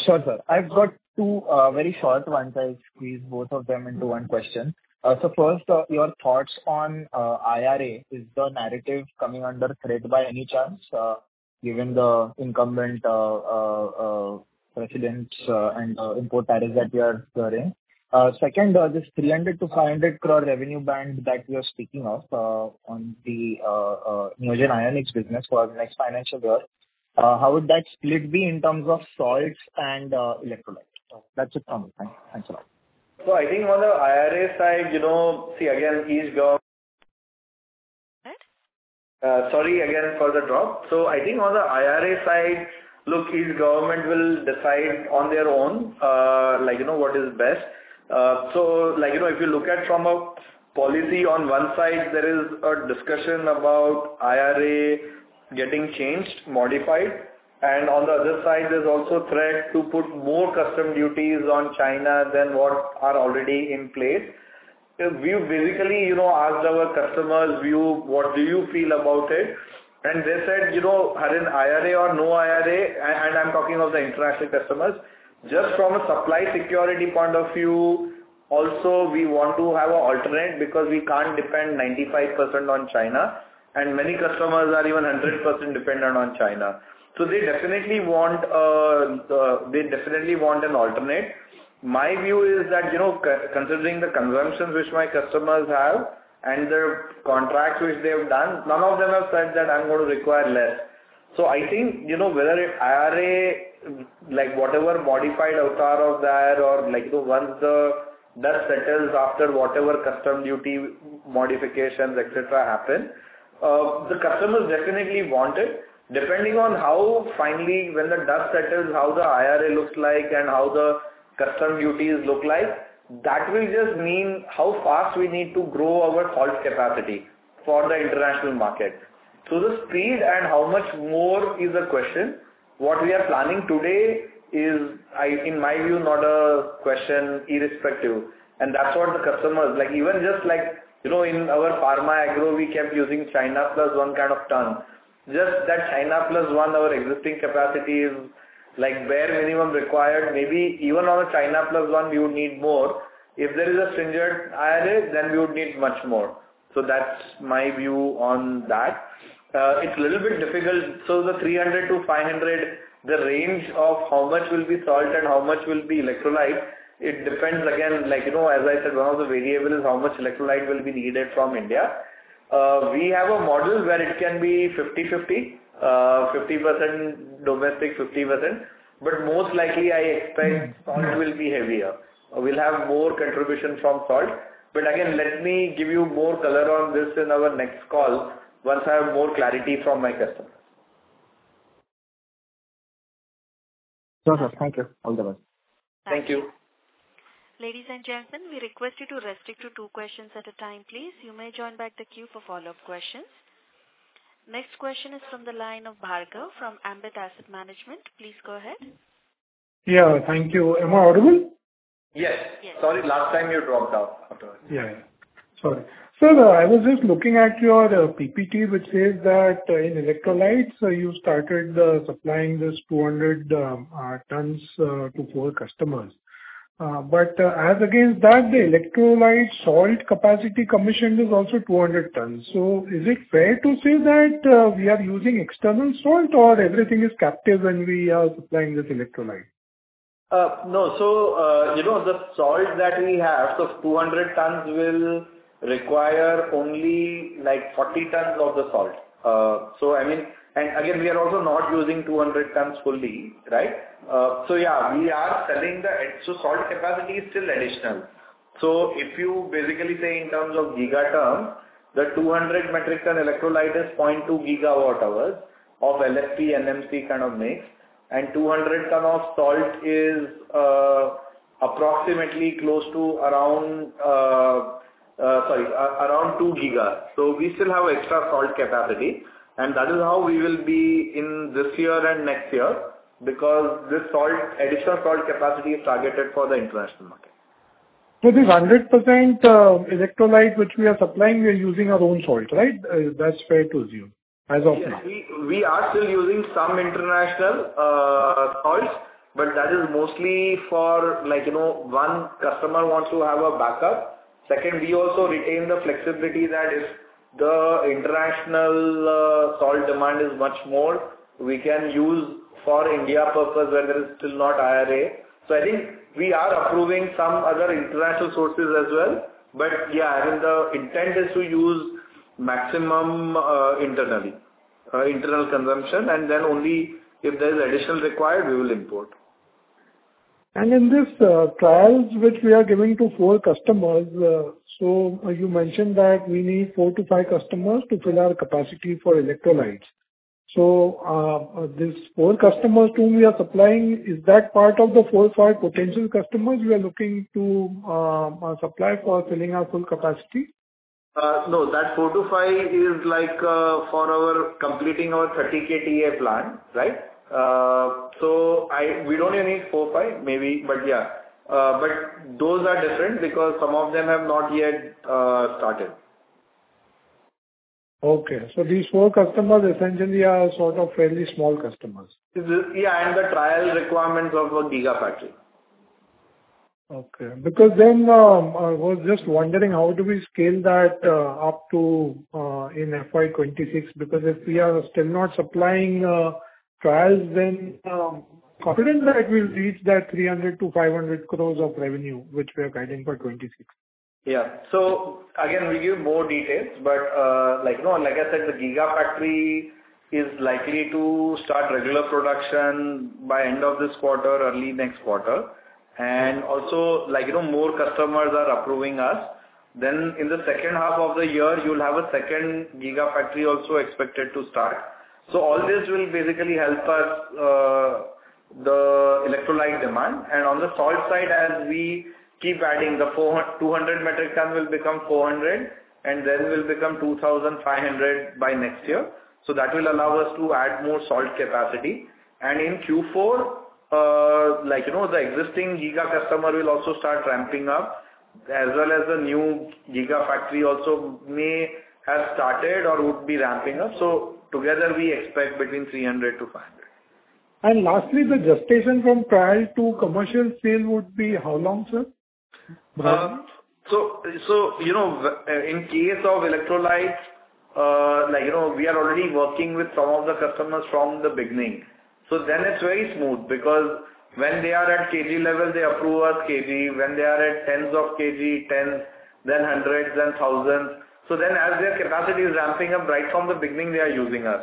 Sure, sir. I've got two very short ones. I'll squeeze both of them into one question. So, first, your thoughts on IRA? Is the narrative coming under threat by any chance, given the incumbent president and import tariffs that we are stirring? Second, this 300-500 crore revenue band that we are speaking of on the Neogen Ionics business for the next financial year, how would that split be in terms of salts and electrolytes? That's it from me. Thanks a lot. So, I think on the IRA side, see, again, each government. Go ahead. Sorry again for the drop. I think on the IRA side, look, each government will decide on their own what is best. If you look at from a policy on one side, there is a discussion about IRA getting changed, modified. On the other side, there's also a threat to put more customs duties on China than what are already in place. We've basically asked our customers, "What do you feel about it?" They said, "Had an IRA or no IRA?" I'm talking of the international customers. Just from a supply security point of view, also, we want to have an alternate because we can't depend 95% on China. Many customers are even 100% dependent on China. They definitely want an alternate. My view is that, considering the consumptions which my customers have and the contracts which they have done, none of them have said that, "I'm going to require less." So, I think whether IRA, whatever modified avatar of that, or once the dust settles after whatever customs duty modifications, etc., happen, the customers definitely want it. Depending on how finally, when the dust settles, how the IRA looks like and how the customs duties look like, that will just mean how fast we need to grow our salt capacity for the international market. So, the speed and how much more is a question. What we are planning today is, in my view, not a question irrespective. And that's what the customers, even just in our Pharma Agro, we kept using China plus one kind of ton. Just that China plus one, our existing capacity is bare minimum required. Maybe even on a China plus one, we would need more. If there is a stringent IRA, then we would need much more. So, that's my view on that. It's a little bit difficult. So, the 300 to 500, the range of how much will be salt and how much will be electrolyte, it depends again, as I said, one of the variables is how much electrolyte will be needed from India. We have a model where it can be 50-50, 50% domestic, 50%. But most likely, I expect salt will be heavier. We'll have more contribution from salt. But again, let me give you more color on this in our next call once I have more clarity from my customers. Sure, sir. Thank you. All the best. Thank you. Ladies and gentlemen, we request you to restrict to two questions at a time, please. You may join back the queue for follow-up questions. Next question is from the line of Bhargav from Ambit Asset Management. Please go ahead. Yeah. Thank you. Am I audible? Yes. Sorry, last time you dropped out. Yeah. Sorry. Sir, I was just looking at your PPT, which says that in electrolytes, you started supplying this 200 tons to four customers. But as against that, the electrolyte salt capacity commissioned is also 200 tons. So, is it fair to say that we are using external salt or everything is captive when we are supplying this electrolyte? No. So, the salt that we have, the 200 tons will require only 40 tons of the salt. So, I mean, and again, we are also not using 200 tons fully, right? So, yeah, we are selling the salt capacity is still additional. So, if you basically say in terms of giga terms, the 200 metric ton electrolyte is 0.2 gigawatt-hours of LFP, NMC kind of mix. And 200 ton of salt is approximately close to around, sorry, around 2 giga. So, we still have extra salt capacity. And that is how we will be in this year and next year because this additional salt capacity is targeted for the international market. So, this 100% electrolyte which we are supplying, we are using our own salt, right? That's fair to assume as of now. We are still using some international salts, but that is mostly for one customer wants to have a backup. Second, we also retain the flexibility that if the international salt demand is much more, we can use for India purpose where there is still not IRA, so I think we are approving some other international sources as well, but yeah, I think the intent is to use maximum internal consumption, and then only if there is additional required, we will import. In these trials which we are giving to four customers, so you mentioned that we need four to five customers to fill our capacity for electrolytes. So, these four customers whom we are supplying, is that part of the four or five potential customers we are looking to supply for filling our full capacity? No, that four to five is for our completing our 30KTA plan, right? So, we don't even need four or five, maybe, but yeah. But those are different because some of them have not yet started. Okay, so these four customers essentially are sort of fairly small customers. Yeah, and the trial requirements of a Giga Factory. Okay. Because then I was just wondering how do we scale that up to in FY26? Because if we are still not supplying trials, then confident that we'll reach that 300-500 crores of revenue which we are guiding for 26. Yeah. So, again, we'll give more details. But like I said, the Giga Factory is likely to start regular production by end of this quarter, early next quarter. And also, more customers are approving us. Then in the second half of the year, you'll have a second Giga Factory also expected to start. So, all this will basically help us the electrolyte demand. And on the salt side, as we keep adding, the 200 metric ton will become 400, and then will become 2,500 by next year. So, that will allow us to add more salt capacity. And in Q4, the existing giga customer will also start ramping up, as well as the new giga factory also may have started or would be ramping up. So, together, we expect between 300 to 500. Lastly, the gestation from trial to commercial sale would be how long, sir? So, in case of electrolytes, we are already working with some of the customers from the beginning. So, then it's very smooth because when they are at KG level, they approve us KG. When they are at tens of KG, tens, then hundreds, then thousands. So, then as their capacity is ramping up right from the beginning, they are using us.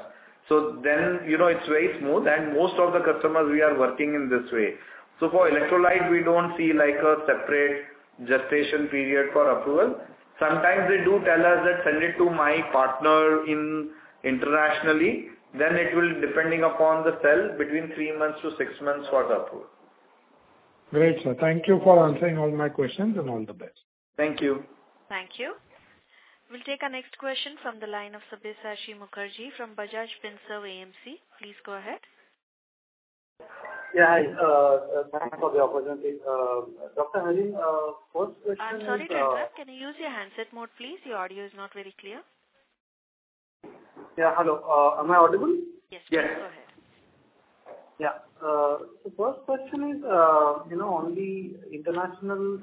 So, then it's very smooth. And most of the customers, we are working in this way. So, for electrolyte, we don't see a separate gestation period for approval. Sometimes they do tell us that, "Send it to my partner internationally." Then it will, depending upon the cell, between three months to six months for the approval. Great, sir. Thank you for answering all my questions and all the best. Thank you. Thank you. We'll take our next question from the line of Sabyasachi Mukerji from Bajaj Finserv AMC. Please go ahead. Yeah. Thanks for the opportunity. Dr. Harin, first question is. I'm sorry, Dr. Can you use your handset mode, please? Your audio is not very clear. Yeah. Hello. Am I audible? Yes. Yes. Go ahead. Yeah. So, first question is, on the international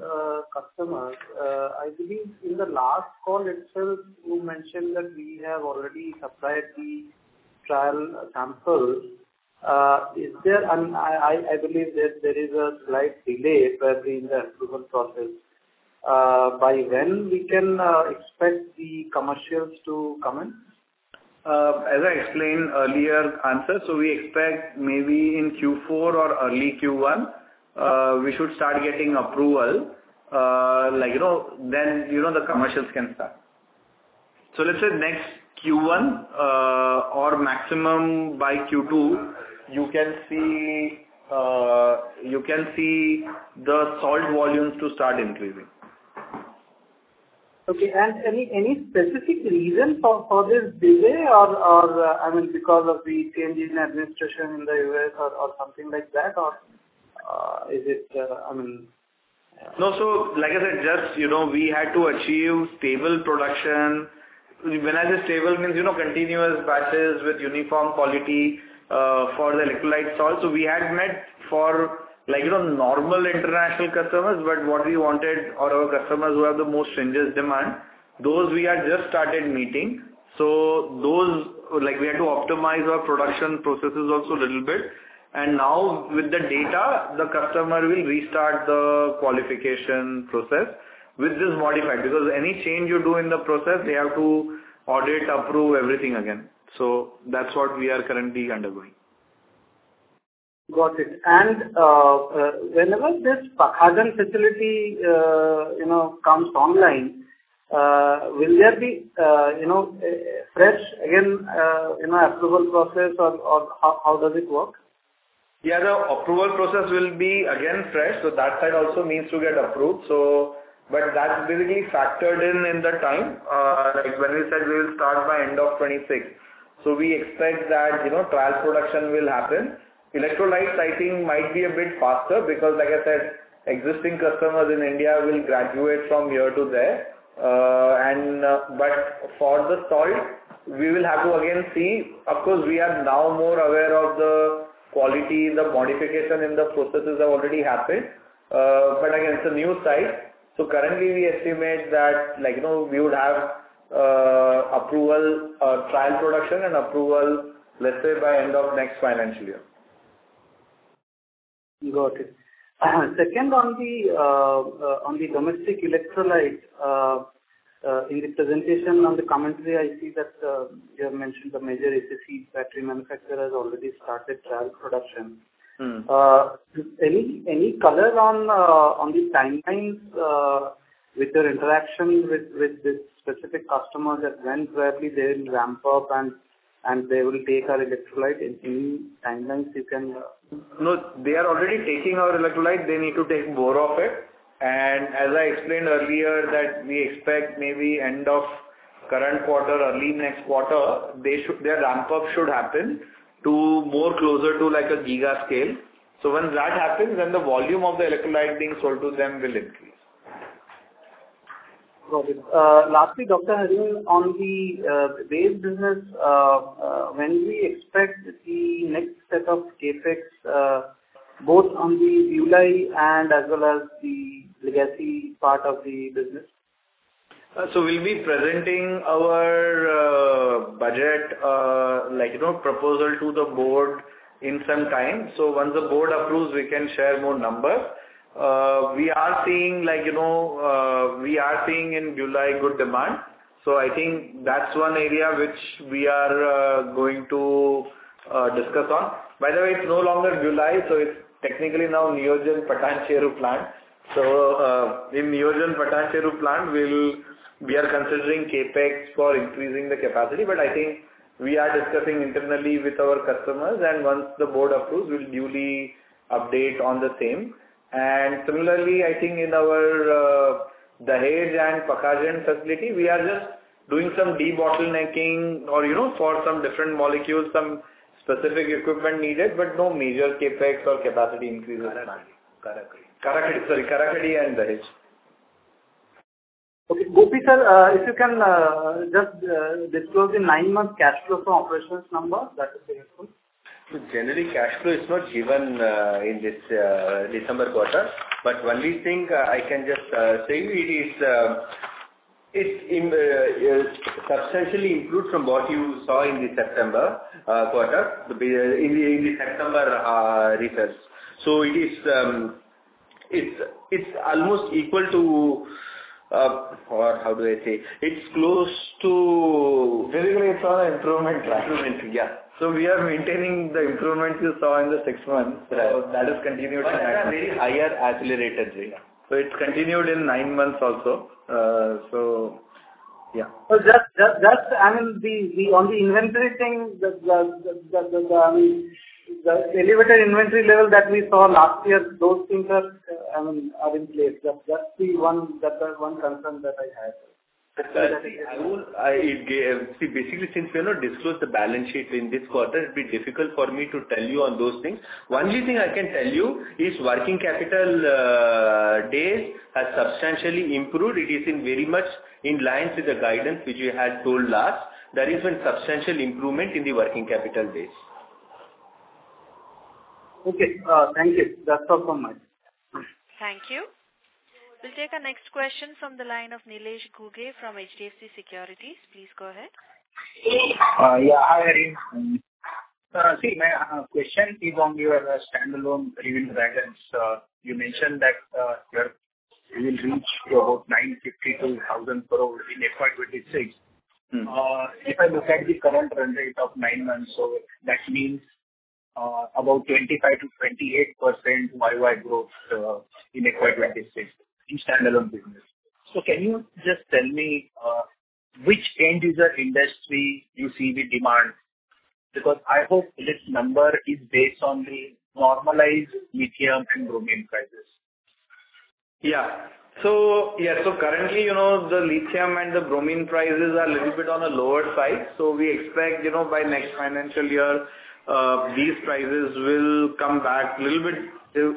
customers, I believe in the last call itself, you mentioned that we have already supplied the trial samples. I believe that there is a slight delay probably in the approval process. By when we can expect the commercials to come in? As I explained earlier, so we expect maybe in Q4 or early Q1, we should start getting approval. Then the commercials can start. So, let's say next Q1 or maximum by Q2, you can see the salt volumes to start increasing. Okay. And any specific reason for this delay? I mean, because of the changes in administration in the U.S. or something like that? Or is it, I mean? No. So, like I said, just we had to achieve stable production. When I say stable, it means continuous batches with uniform quality for the electrolyte salt. So, we had met for normal international customers, but what we wanted are our customers who have the most stringent demand. Those we had just started meeting. So, we had to optimize our production processes also a little bit. And now, with the data, the customer will restart the qualification process with this modified. Because any change you do in the process, they have to audit, approve everything again. So, that's what we are currently undergoing. Got it, and whenever this Pakhajan facility comes online, will there be fresh, again, approval process, or how does it work? Yeah. The approval process will be, again, fresh. So, that side also needs to get approved. But that's basically factored in in the time. When we said we will start by end of 2026, so we expect that trial production will happen. Electrolyte, I think, might be a bit faster because, like I said, existing customers in India will graduate from here to there. But for the salt, we will have to, again, see. Of course, we are now more aware of the quality, the modification in the processes have already happened. But again, it's a new site. So, currently, we estimate that we would have approval trial production and approval, let's say, by end of next financial year. Got it. Second, on the domestic electrolyte, in the presentation on the commentary, I see that you have mentioned the major ACC battery manufacturers already started trial production. Any color on the timelines with their interaction with this specific customer that when probably they will ramp up and they will take our electrolyte in any timelines you can? No, they are already taking our electrolyte. They need to take more of it, and as I explained earlier, that we expect maybe end of current quarter, early next quarter, their ramp-up should happen to more closer to a giga scale, so when that happens, then the volume of the electrolyte being sold to them will increase. Got it. Lastly, Dr. Harin, on the base business, when do we expect the next set of CapEx, both on the BuLi and as well as the legacy part of the business? So, we'll be presenting our budget proposal to the board in some time. So, once the board approves, we can share more numbers. We are seeing in BuLi good demand. So, I think that's one area which we are going to discuss on. By the way, it's no longer BuLi, so it's technically now Neogen Patancheru plant. So, in Neogen Patancheru plant, we are considering CapEx for increasing the capacity. But I think we are discussing internally with our customers. And once the board approves, we'll duly update on the same. And similarly, I think in our Dahej and Pakhajan facility, we are just doing some de-bottlenecking or for some different molecules, some specific equipment needed, but no major CapEx or capacity increases currently. Karakadi. Karakhadi. Sorry. Karakhadi and Dahej. Okay. Gopi sir, if you can just disclose the nine-month cash flow from operations number, that would be helpful. Generally, cash flow is not given in this December quarter, but one thing, I can just say it is substantially improved from what you saw in the September quarter, in the September results, so it's almost equal to, how do I say? It's close to. Basically, it's on an improvement track. Improvement. Yeah. So, we are maintaining the improvement you saw in the six months. That has continued in. That is a very high accelerator. So, it's continued in nine months also. So, yeah. I mean, on the inventory thing, the elevated inventory level that we saw last year, those things are in place. That's the one concern that I had. See, basically, since we have not disclosed the balance sheet in this quarter, it'd be difficult for me to tell you on those things. One thing I can tell you is working capital days have substantially improved. It is very much in line with the guidance which we had told last. There has been substantial improvement in the working capital days. Okay. Thank you. That's all from my side. Thank you. We'll take our next question from the line of Nilesh Ghuge from HDFC Securities. Please go ahead. Yeah. Hi, Nandini. See, my question is on your standalone revenue guidance. You mentioned that you will reach to about 952 crores in FY26. If I look at the current run rate of nine months, so that means about 25-28% YoY growth in FY26 in standalone business. So, can you just tell me which end-user industry you see with demand? Because I hope this number is based on the normalized lithium and bromine prices. Yeah. So, currently, the lithium and the bromine prices are a little bit on a lower side. So, we expect by next financial year, these prices will come back a little bit.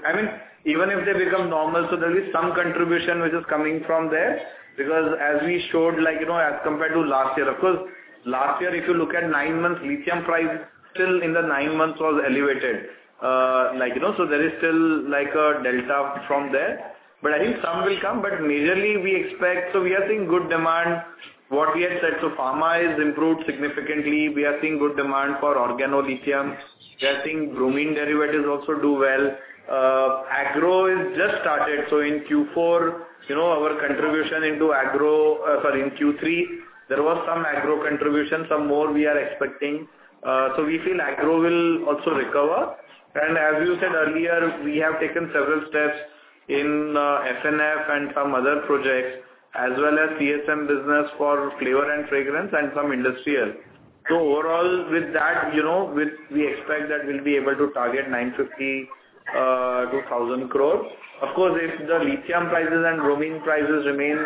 I mean, even if they become normal, so there will be some contribution which is coming from there. Because as we showed, as compared to last year, of course, last year, if you look at nine months, lithium price still in the nine months was elevated. So, there is still a delta from there. But I think some will come. But majorly, we expect. So, we are seeing good demand. What we had said, so pharma has improved significantly. We are seeing good demand for organolithium. We are seeing bromine derivatives also do well. Agro has just started. So, in Q4, our contribution into agro. Sorry, in Q3, there was some Agro contribution, some more we are expecting. So, we feel Agro will also recover. And as you said earlier, we have taken several steps in F&F and some other projects, as well as TSM business for flavor and fragrance and some industrial. So, overall, with that, we expect that we'll be able to target 952,000 crores. Of course, if the lithium prices and bromine prices remain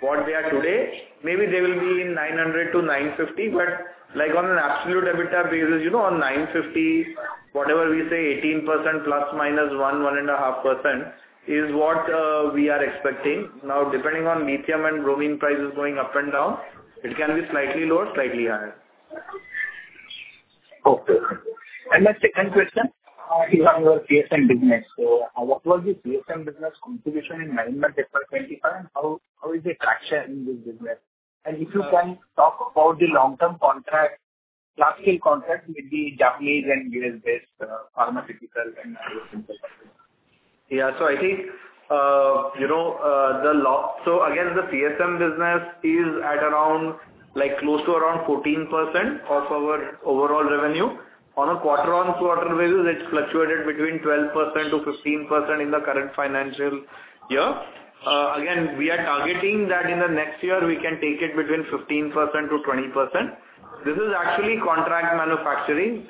what they are today, maybe they will be in 900-950. But on an absolute EBITDA basis, on 950, whatever we say, 18% plus minus 1, 1.5% is what we are expecting. Now, depending on lithium and bromine prices going up and down, it can be slightly lower, slightly higher. Okay. And my second question is on your TSM business. What was the TSM business contribution in nine months FY25? And how is the traction in this business? And if you can talk about the long-term contracts, large-scale contracts with the Japanese and US-based pharmaceutical and other similar companies. Yeah, so I think, again, the TSM business is at close to around 14% of our overall revenue. On a quarter-on-quarter basis, it's fluctuated between 12-15% in the current financial year. Again, we are targeting that in the next year, we can take it between 15-20%. This is actually contract manufacturing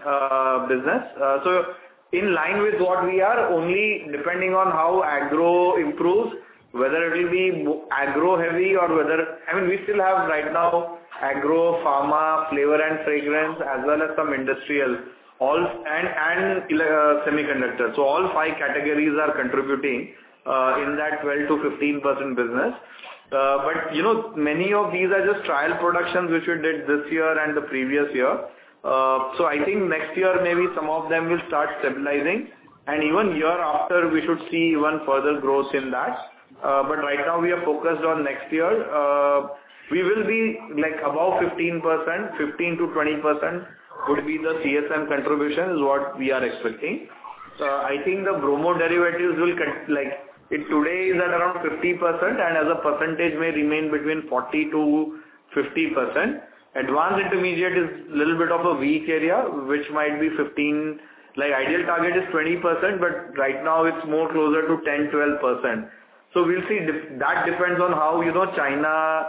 business. So, in line with what we are, only depending on how Agro improves, whether it will be Agro-heavy or whether. I mean, we still have right now Agro, pharma, flavor and fragrance, as well as some industrial and semiconductors. So, all five categories are contributing in that 12-15% business. But many of these are just trial productions which we did this year and the previous year. So, I think next year, maybe some of them will start stabilizing, and even year after, we should see even further growth in that. But right now, we are focused on next year. We will be above 15%. 15-20% would be the TSM contribution is what we are expecting. I think the Bromine Derivatives will, today, it's at around 50%. And as a percentage, may remain between 40-50%. Advanced Intermediate is a little bit of a weak area, which might be 15%. Ideal target is 20%. But right now, it's more closer to 10-12%. So, we'll see. That depends on how China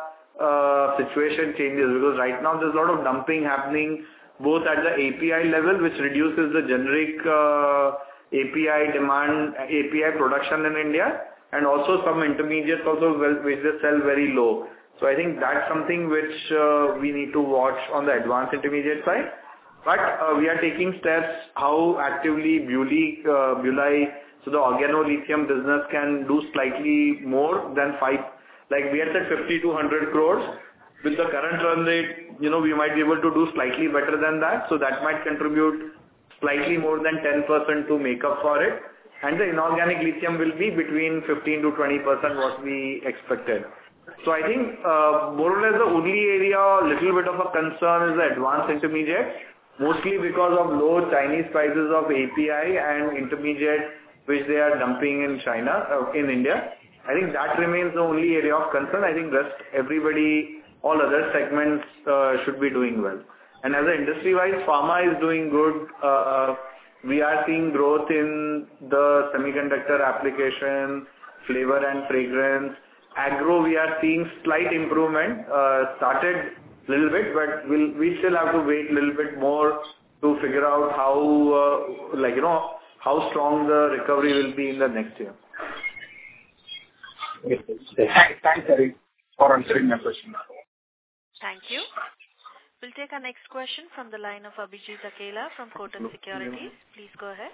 situation changes. Because right now, there's a lot of dumping happening both at the API level, which reduces the generic API demand, API production in India, and also some intermediates also which they sell very low. So, I think that's something which we need to watch on the Advanced Intermediate side. But we are taking steps to actively, so the organolithium business can do slightly more than 5—we had said 50 to 100 crores. With the current run rate, we might be able to do slightly better than that. So, that might contribute slightly more than 10% to make up for it. And the inorganic lithium will be between 15-20% what we expected. So, I think more or less the only area or a little bit of a concern is the advanced intermediate, mostly because of low Chinese prices of API and intermediate which they are dumping in India. I think that remains the only area of concern. I think everybody, all other segments should be doing well. And as an industry-wise, pharma is doing good. We are seeing growth in the semiconductor application, flavor and fragrance. Agro, we are seeing slight improvement. Started a little bit, but we still have to wait a little bit more to figure out how strong the recovery will be in the next year. Thanks, Doctor, for answering my question. Thank you. We'll take our next question from the line of Abhijit Akela from Kotak Securities. Please go ahead.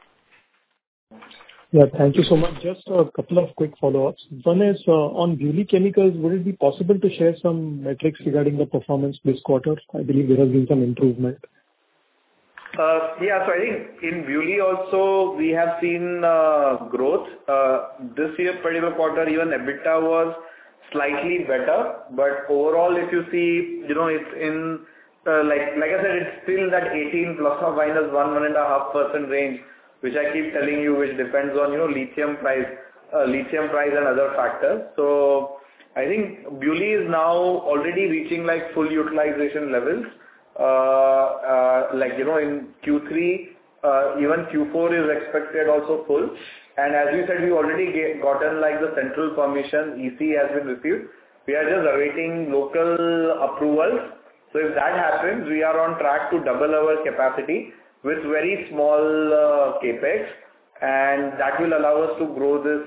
Yeah. Thank you so much. Just a couple of quick follow-ups. One is on BuLi Chemicals, would it be possible to share some metrics regarding the performance this quarter? I believe there has been some improvement. Yeah. So, I think in BuLi also, we have seen growth. This year, particular quarter, even EBITDA was slightly better. But overall, if you see, it's in, like I said, it's still that 18% plus or minus 1-1.5% range, which I keep telling you, which depends on lithium price and other factors. So, I think BULI is now already reaching full utilization levels. In Q3, even Q4 is expected also full. And as we said, we've already gotten the central permission. EC has been received. We are just awaiting local approvals. So, if that happens, we are on track to double our capacity with very small CapEx. And that will allow us to grow this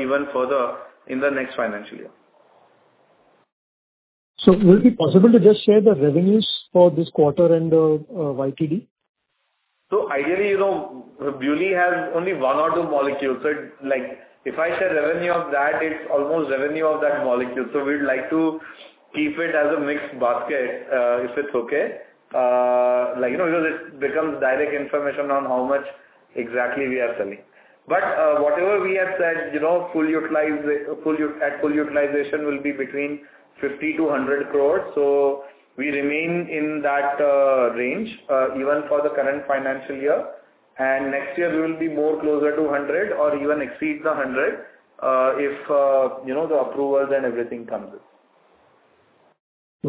even further in the next financial year. Would it be possible to just share the revenues for this quarter and the YTD? So, ideally, BuLi has only one or two molecules. So, if I share revenue of that, it's almost revenue of that molecule. So, we'd like to keep it as a mixed basket if it's okay. Because it becomes direct information on how much exactly we are selling. But whatever we have said, full utilization will be between 50-100 crores. So, we remain in that range even for the current financial year. And next year, we will be more closer to 100 or even exceed the 100 if the approvals and everything comes in.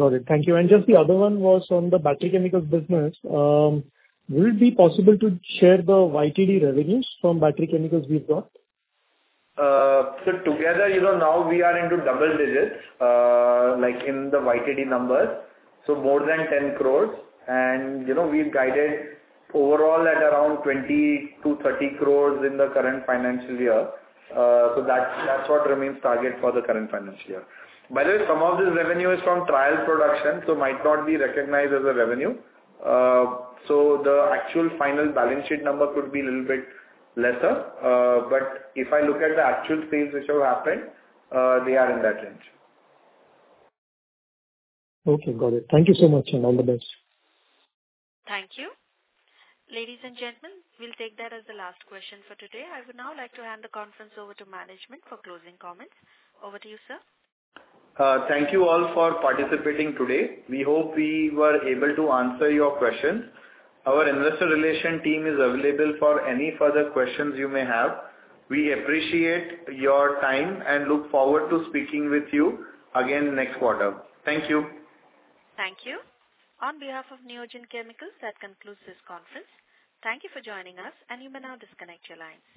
Got it. Thank you. And just the other one was on the battery chemicals business. Would it be possible to share the YTD revenues from battery chemicals we've got? So, together, now we are into double digits in the YTD number. So, more than 10 crores. And we've guided overall at around 20-30 crores in the current financial year. So, that's what remains target for the current financial year. By the way, some of this revenue is from trial production, so might not be recognized as a revenue. So, the actual final balance sheet number could be a little bit lesser. But if I look at the actual sales which have happened, they are in that range. Okay. Got it. Thank you so much. All the best. Thank you. Ladies and gentlemen, we'll take that as the last question for today. I would now like to hand the conference over to management for closing comments. Over to you, sir. Thank you all for participating today. We hope we were able to answer your questions. Our investor relation team is available for any further questions you may have. We appreciate your time and look forward to speaking with you again next quarter. Thank you. Thank you. On behalf of Neogen Chemicals, that concludes this conference. Thank you for joining us, and you may now disconnect your lines.